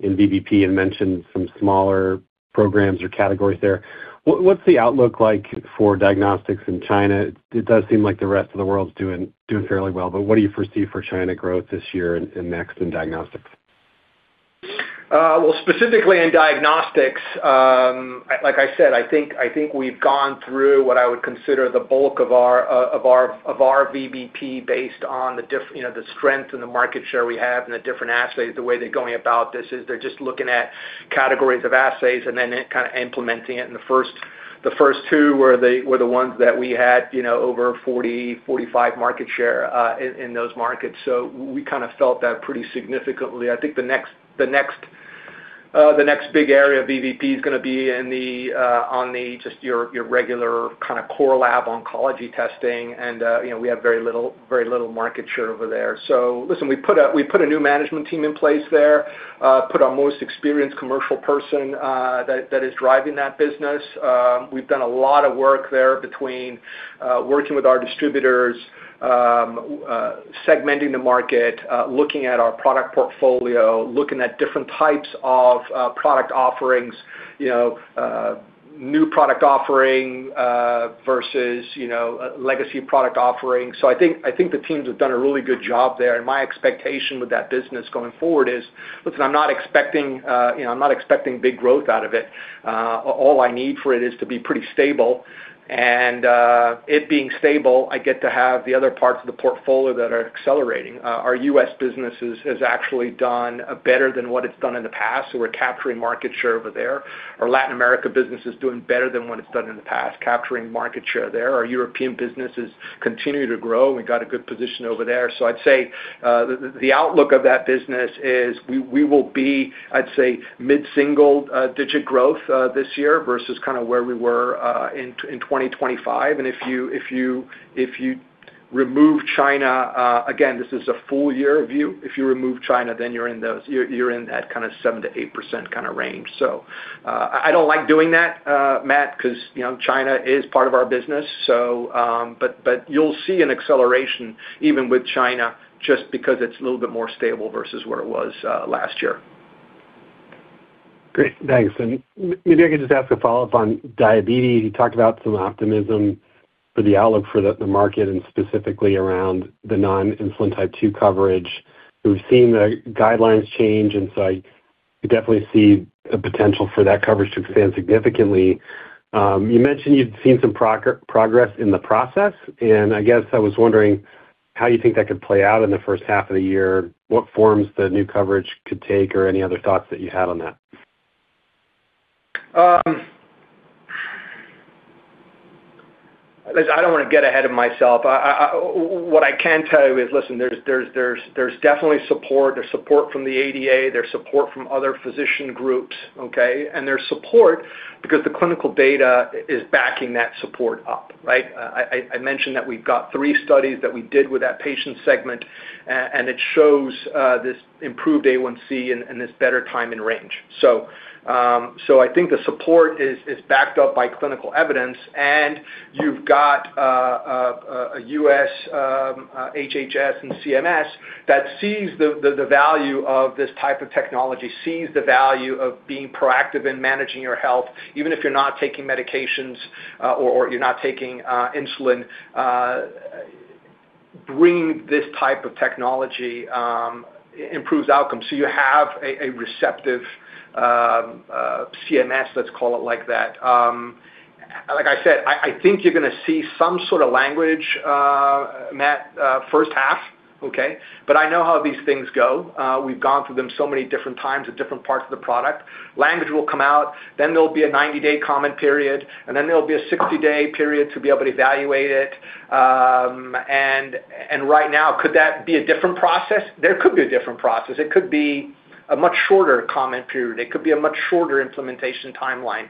S10: in VBP and mentioned some smaller programs or categories there. What's the outlook like for diagnostics in China? It does seem like the rest of the world's doing fairly well. But what do you foresee for China growth this year and next in diagnostics?
S3: Specifically in diagnostics, like I said, I think we've gone through what I would consider the bulk of our VBP based on the strength and the market share we have and the different assays. The way they're going about this is they're just looking at categories of assays and then kind of implementing it. And the first two were the ones that we had over 40%-45% market share in those markets. So we kind of felt that pretty significantly. I think the next big area of VBP is going to be on just your regular kind of core lab oncology testing. And we have very little market share over there. So listen, we put a new management team in place there, put our most experienced commercial person that is driving that business. We've done a lot of work there between working with our distributors, segmenting the market, looking at our product portfolio, looking at different types of product offerings, new product offering versus legacy product offering, so I think the teams have done a really good job there, and my expectation with that business going forward is, listen, I'm not expecting big growth out of it. All I need for it is to be pretty stable, and it being stable, I get to have the other parts of the portfolio that are accelerating. Our U.S. business has actually done better than what it's done in the past, so we're capturing market share over there. Our Latin America business is doing better than what it's done in the past, capturing market share there. Our European businesses continue to grow. We got a good position over there. So I'd say the outlook of that business is we will be, I'd say, mid-single digit growth this year versus kind of where we were in 2025. And if you remove China again, this is a full year view. If you remove China, then you're in that kind of 7%-8% kind of range. So I don't like doing that, Matt, because China is part of our business. But you'll see an acceleration even with China just because it's a little bit more stable versus where it was last year.
S10: Great. Thanks. And maybe I can just ask a follow-up on diabetes. You talked about some optimism for the outlook for the market and specifically around the non-insulin type 2 coverage. We've seen the guidelines change. And so I definitely see the potential for that coverage to expand significantly. You mentioned you'd seen some progress in the process. And I guess I was wondering how you think that could play out in the first half of the year, what forms the new coverage could take, or any other thoughts that you had on that?
S3: I don't want to get ahead of myself. What I can tell you is, listen, there's definitely support. There's support from the ADA. There's support from other physician groups, okay? And there's support because the clinical data is backing that support up, right? I mentioned that we've got three studies that we did with that patient segment, and it shows this improved A1C and this better time in range. So I think the support is backed up by clinical evidence. And you've got a U.S. HHS and CMS that sees the value of this type of technology, sees the value of being proactive in managing your health, even if you're not taking medications or you're not taking insulin. Bringing this type of technology improves outcomes. So you have a receptive CMS, let's call it like that. Like I said, I think you're going to see some sort of language, Matt, first half, okay? But I know how these things go. We've gone through them so many different times at different parts of the product. Language will come out. Then there'll be a 90-day comment period. And then there'll be a 60-day period to be able to evaluate it. And right now, could that be a different process? There could be a different process. It could be a much shorter comment period. It could be a much shorter implementation timeline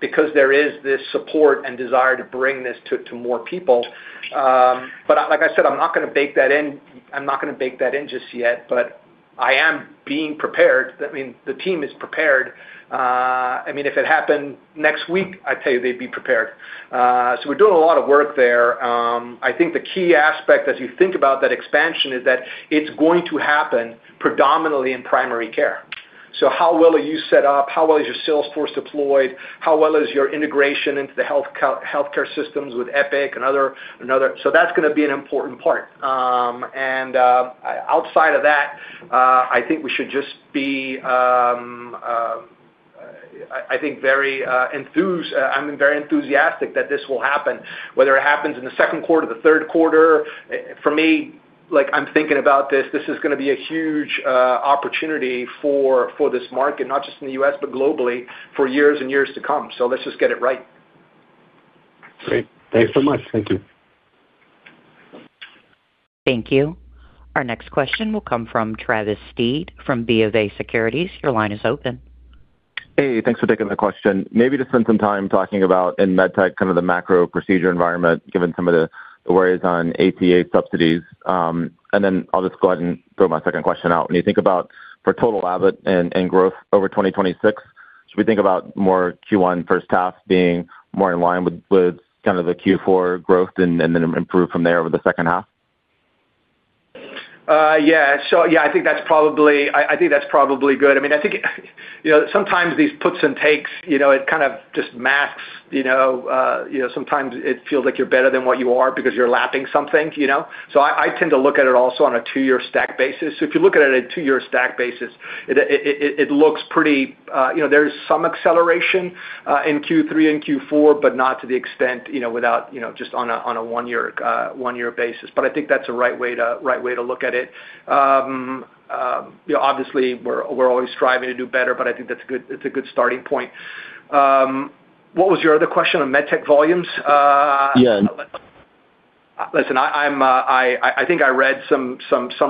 S3: because there is this support and desire to bring this to more people. But like I said, I'm not going to bake that in. I'm not going to bake that in just yet. But I am being prepared. I mean, the team is prepared. I mean, if it happened next week, I tell you they'd be prepared. We're doing a lot of work there. I think the key aspect as you think about that expansion is that it's going to happen predominantly in primary care. How well are you set up? How well is your sales force deployed? How well is your integration into the healthcare systems with Epic and other? That's going to be an important part. Outside of that, I think we should just be, I think, very enthused. I'm very enthusiastic that this will happen, whether it happens in the second quarter or the third quarter. For me, I'm thinking about this. This is going to be a huge opportunity for this market, not just in the U.S., but globally for years and years to come. Let's just get it right.
S10: Great. Thanks so much. Thank you.
S1: Thank you. Our next question will come from Travis Steed from BofA Securities. Your line is open.
S11: Hey, thanks for taking the question. Maybe to spend some time talking about in medtech kind of the macro procedure environment, given some of the worries on ACA subsidies, and then I'll just go ahead and throw my second question out. When you think about for total Abbott and growth over 2026, should we think about more Q1 first half being more in line with kind of the Q4 growth and then improve from there over the second half?
S3: Yeah. So yeah, I think that's probably good. I mean, I think sometimes these puts and takes, it kind of just masks. Sometimes it feels like you're better than what you are because you're lapping something. So I tend to look at it also on a two-year stack basis. So if you look at it on a two-year stack basis, it looks pretty. There's some acceleration in Q3 and Q4, but not to the extent without just on a one-year basis. But I think that's a right way to look at it. Obviously, we're always striving to do better, but I think that's a good starting point. What was your other question on medtech volumes?
S10: Yeah.
S3: Listen, I think I read some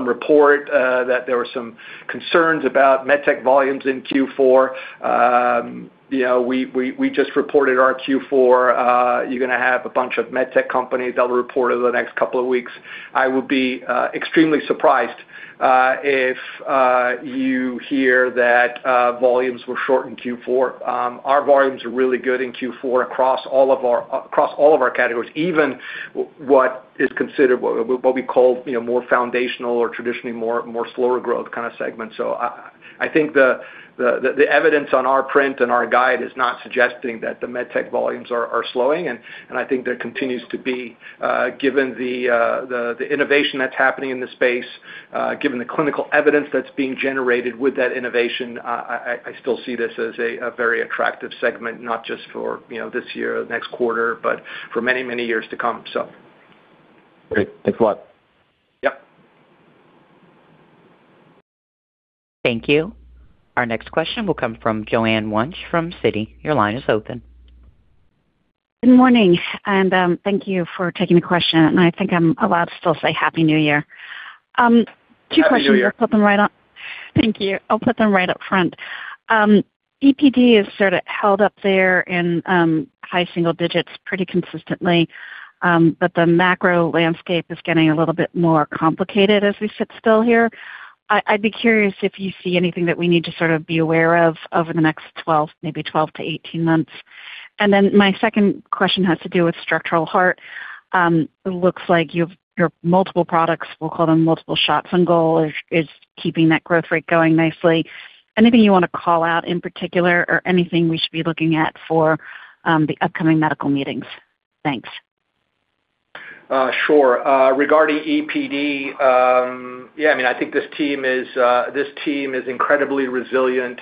S3: report that there were some concerns about medtech volumes in Q4. We just reported our Q4. You're going to have a bunch of medtech companies that will report over the next couple of weeks. I would be extremely surprised if you hear that volumes were short in Q4. Our volumes are really good in Q4 across all of our categories, even what is considered what we call more foundational or traditionally more slower growth kind of segment. So I think the evidence on our print and our guide is not suggesting that the medtech volumes are slowing. I think there continues to be, given the innovation that's happening in the space, given the clinical evidence that's being generated with that innovation, I still see this as a very attractive segment, not just for this year, next quarter, but for many, many years to come, so.
S10: Great. Thanks a lot.
S3: Yep.
S1: Thank you. Our next question will come from Joanne Wuensch from Citi. Your line is open.
S12: Good morning. And thank you for taking the question. And I think I'm allowed to still say Happy New Year. Two questions.
S3: Happy New Year.
S12: I'll put them right on. Thank you. I'll put them right up front. EPD has sort of held up there in high single digits pretty consistently. But the macro landscape is getting a little bit more complicated as we sit still here. I'd be curious if you see anything that we need to sort of be aware of over the next 12, maybe 12 to 18 months. And then my second question has to do with structural heart. It looks like your multiple products, we'll call them multiple shots on goal, is keeping that growth rate going nicely. Anything you want to call out in particular or anything we should be looking at for the upcoming medical meetings? Thanks.
S3: Sure. Regarding EPD, yeah, I mean, I think this team is incredibly resilient,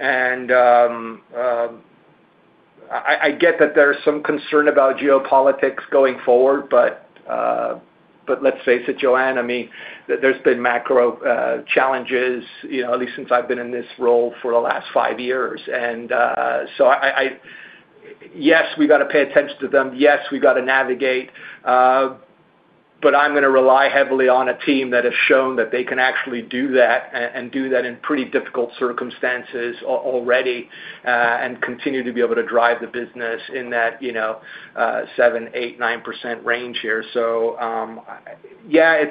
S3: and I get that there's some concern about geopolitics going forward, but let's face it, Joanne. I mean, there's been macro challenges, at least since I've been in this role for the last five years, and so yes, we've got to pay attention to them. Yes, we've got to navigate. But I'm going to rely heavily on a team that has shown that they can actually do that and do that in pretty difficult circumstances already and continue to be able to drive the business in that 7%-9% range here, so yeah,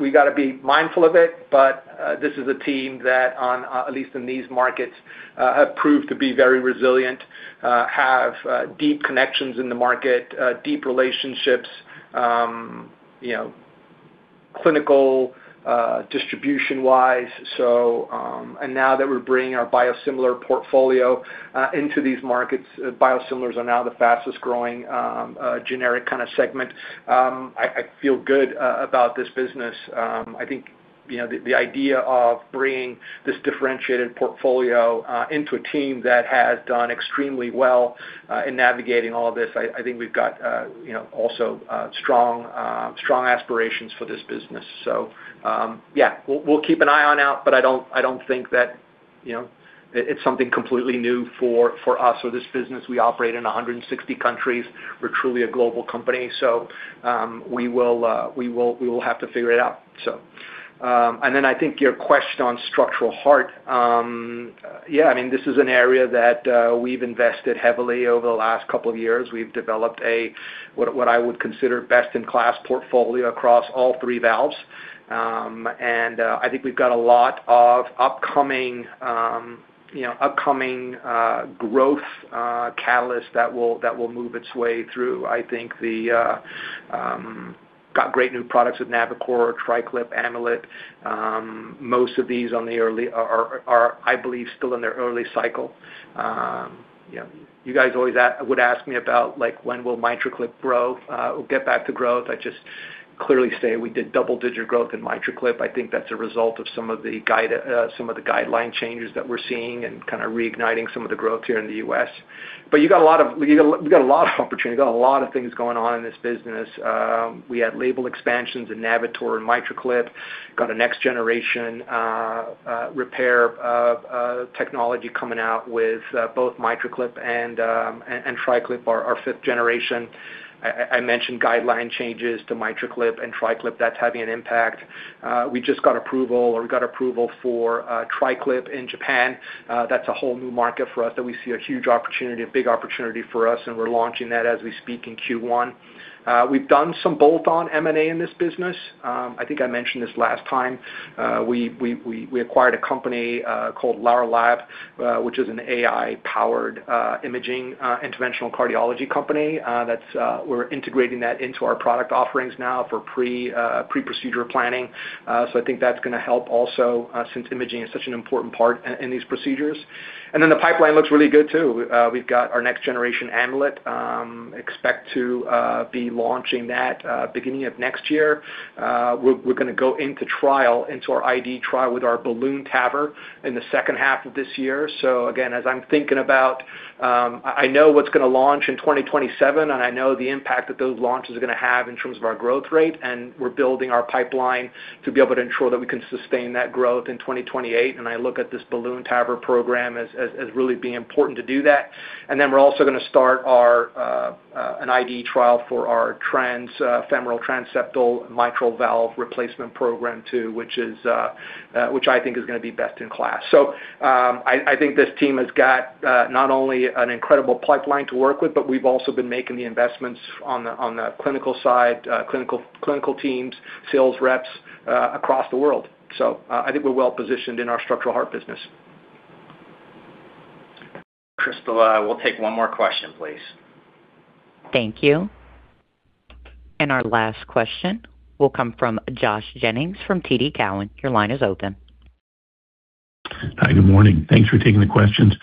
S3: we've got to be mindful of it, but this is a team that, at least in these markets, have proved to be very resilient, have deep connections in the market, deep relationships, clinical distribution-wise. Now that we're bringing our biosimilar portfolio into these markets, biosimilars are now the fastest-growing generic kind of segment. I feel good about this business. I think the idea of bringing this differentiated portfolio into a team that has done extremely well in navigating all of this. I think we've got also strong aspirations for this business. Yeah, we'll keep an eye out. But I don't think that it's something completely new for us or this business. We operate in 160 countries. We're truly a global company. We will have to figure it out. I think your question on structural heart. Yeah, I mean, this is an area that we've invested heavily over the last couple of years. We've developed what I would consider best-in-class portfolio across all three valves. I think we've got a lot of upcoming growth catalysts that will move its way through. I think we've got great new products with Navitor, TriClip, Amulet. Most of these on the early are, I believe, still in their early cycle. You guys always would ask me about when will MitraClip grow or get back to growth. I just clearly say we did double-digit growth in MitraClip. I think that's a result of some of the guideline changes that we're seeing and kind of reigniting some of the growth here in the U.S. But we've got a lot of opportunity. We've got a lot of things going on in this business. We had label expansions in Navitor and MitraClip. Got a next-generation repair technology coming out with both MitraClip and TriClip, our fifth generation. I mentioned guideline changes to MitraClip and TriClip that's having an impact. We just got approval, or we got approval for TriClip in Japan. That's a whole new market for us that we see a huge opportunity, a big opportunity for us. And we're launching that as we speak in Q1. We've done some bolt-on M&A in this business. I think I mentioned this last time. We acquired a company called Lower Lab, which is an AI-powered imaging interventional cardiology company. We're integrating that into our product offerings now for pre-procedure planning. So I think that's going to help also since imaging is such an important part in these procedures. And then the pipeline looks really good too. We've got our next-generation Amulet. Expect to be launching that beginning of next year. We're going to go into trial, into our IDE trial with our balloon TAVR in the second half of this year, so again, as I'm thinking about, I know what's going to launch in 2027, and I know the impact that those launches are going to have in terms of our growth rate, and we're building our pipeline to be able to ensure that we can sustain that growth in 2028, and I look at this balloon TAVR program as really being important to do that, and then we're also going to start an IDE trial for our femoral transseptal mitral valve replacement program too, which I think is going to be best in class, so I think this team has got not only an incredible pipeline to work with, but we've also been making the investments on the clinical side, clinical teams, sales reps across the world. I think we're well positioned in our structural heart business.
S2: Christopher, we'll take one more question, please.
S1: Thank you. And our last question will come from Josh Jennings from TD Cowen. Your line is open.
S13: Hi, good morning. Thanks for taking the questions.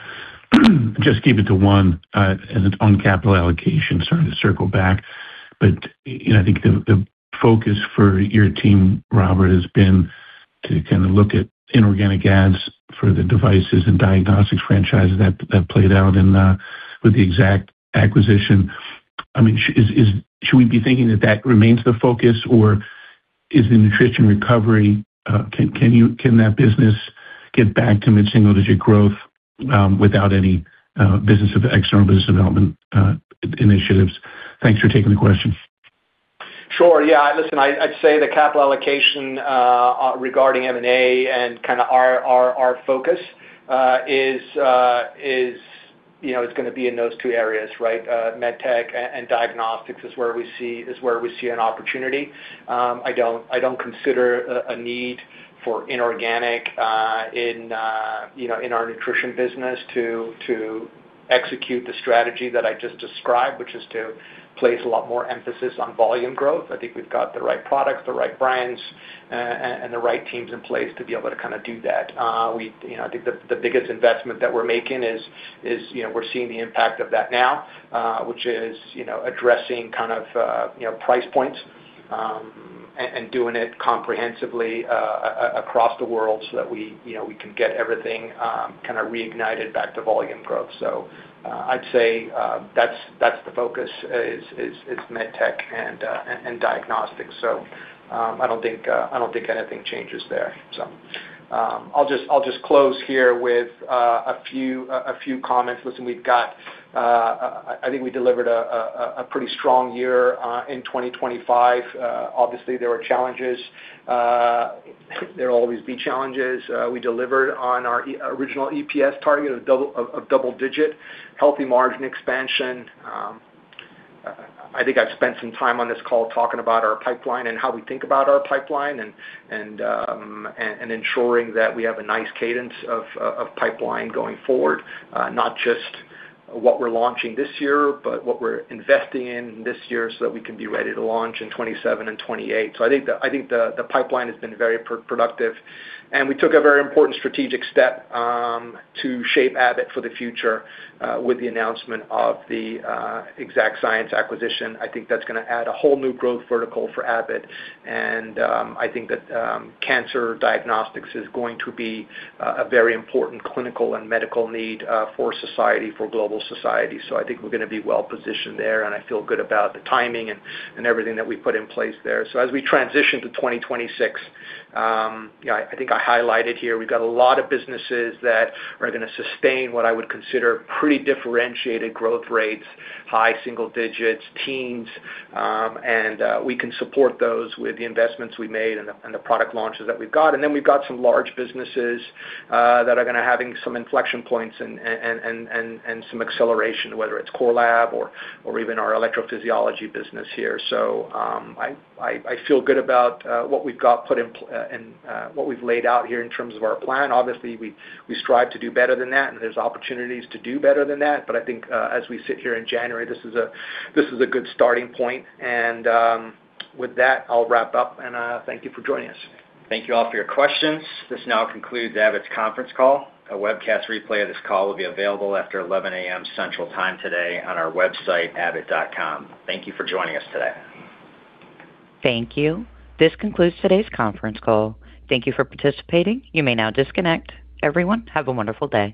S13: Just keep it to one on capital allocation. Sorry to circle back. But I think the focus for your team, Robert, has been to kind of look at inorganic adds for the devices and diagnostics franchises that played out with the Exact acquisition. I mean, should we be thinking that that remains the focus, or is the nutrition recovery, can that business get back to mid-single-digit growth without any benefit of external business development initiatives? Thanks for taking the question.
S3: Sure. Yeah. Listen, I'd say the capital allocation regarding M&A and kind of our focus is going to be in those two areas, right? Medtech and diagnostics is where we see an opportunity. I don't consider a need for inorganic in our nutrition business to execute the strategy that I just described, which is to place a lot more emphasis on volume growth. I think we've got the right products, the right brands, and the right teams in place to be able to kind of do that. I think the biggest investment that we're making is we're seeing the impact of that now, which is addressing kind of price points and doing it comprehensively across the world so that we can get everything kind of reignited back to volume growth. So I'd say that's the focus is medtech and diagnostics. So I don't think anything changes there, so. I'll just close here with a few comments. Listen, I think we delivered a pretty strong year in 2025. Obviously, there were challenges. There will always be challenges. We delivered on our original EPS target of double-digit, healthy margin expansion. I think I've spent some time on this call talking about our pipeline and how we think about our pipeline and ensuring that we have a nice cadence of pipeline going forward, not just what we're launching this year, but what we're investing in this year so that we can be ready to launch in 2027 and 2028. So I think the pipeline has been very productive. And we took a very important strategic step to shape Abbott for the future with the announcement of the Exact Sciences acquisition. I think that's going to add a whole new growth vertical for Abbott. And I think that cancer diagnostics is going to be a very important clinical and medical need for society, for global society. So I think we're going to be well positioned there. And I feel good about the timing and everything that we put in place there. So as we transition to 2026, I think I highlighted here, we've got a lot of businesses that are going to sustain what I would consider pretty differentiated growth rates, high single digits, teens. And we can support those with the investments we made and the product launches that we've got. And then we've got some large businesses that are going to have some inflection points and some acceleration, whether it's Core Lab or even our electrophysiology business here. So I feel good about what we've got put in what we've laid out here in terms of our plan. Obviously, we strive to do better than that, and there's opportunities to do better than that. But I think as we sit here in January, this is a good starting point. And with that, I'll wrap up. And thank you for joining us.
S2: Thank you all for your questions. This now concludes Abbott's conference call. A webcast replay of this call will be available after 11:00 A.M. Central Time today on our website, abbott.com. Thank you for joining us today.
S1: Thank you. This concludes today's conference call. Thank you for participating. You may now disconnect. Everyone, have a wonderful day.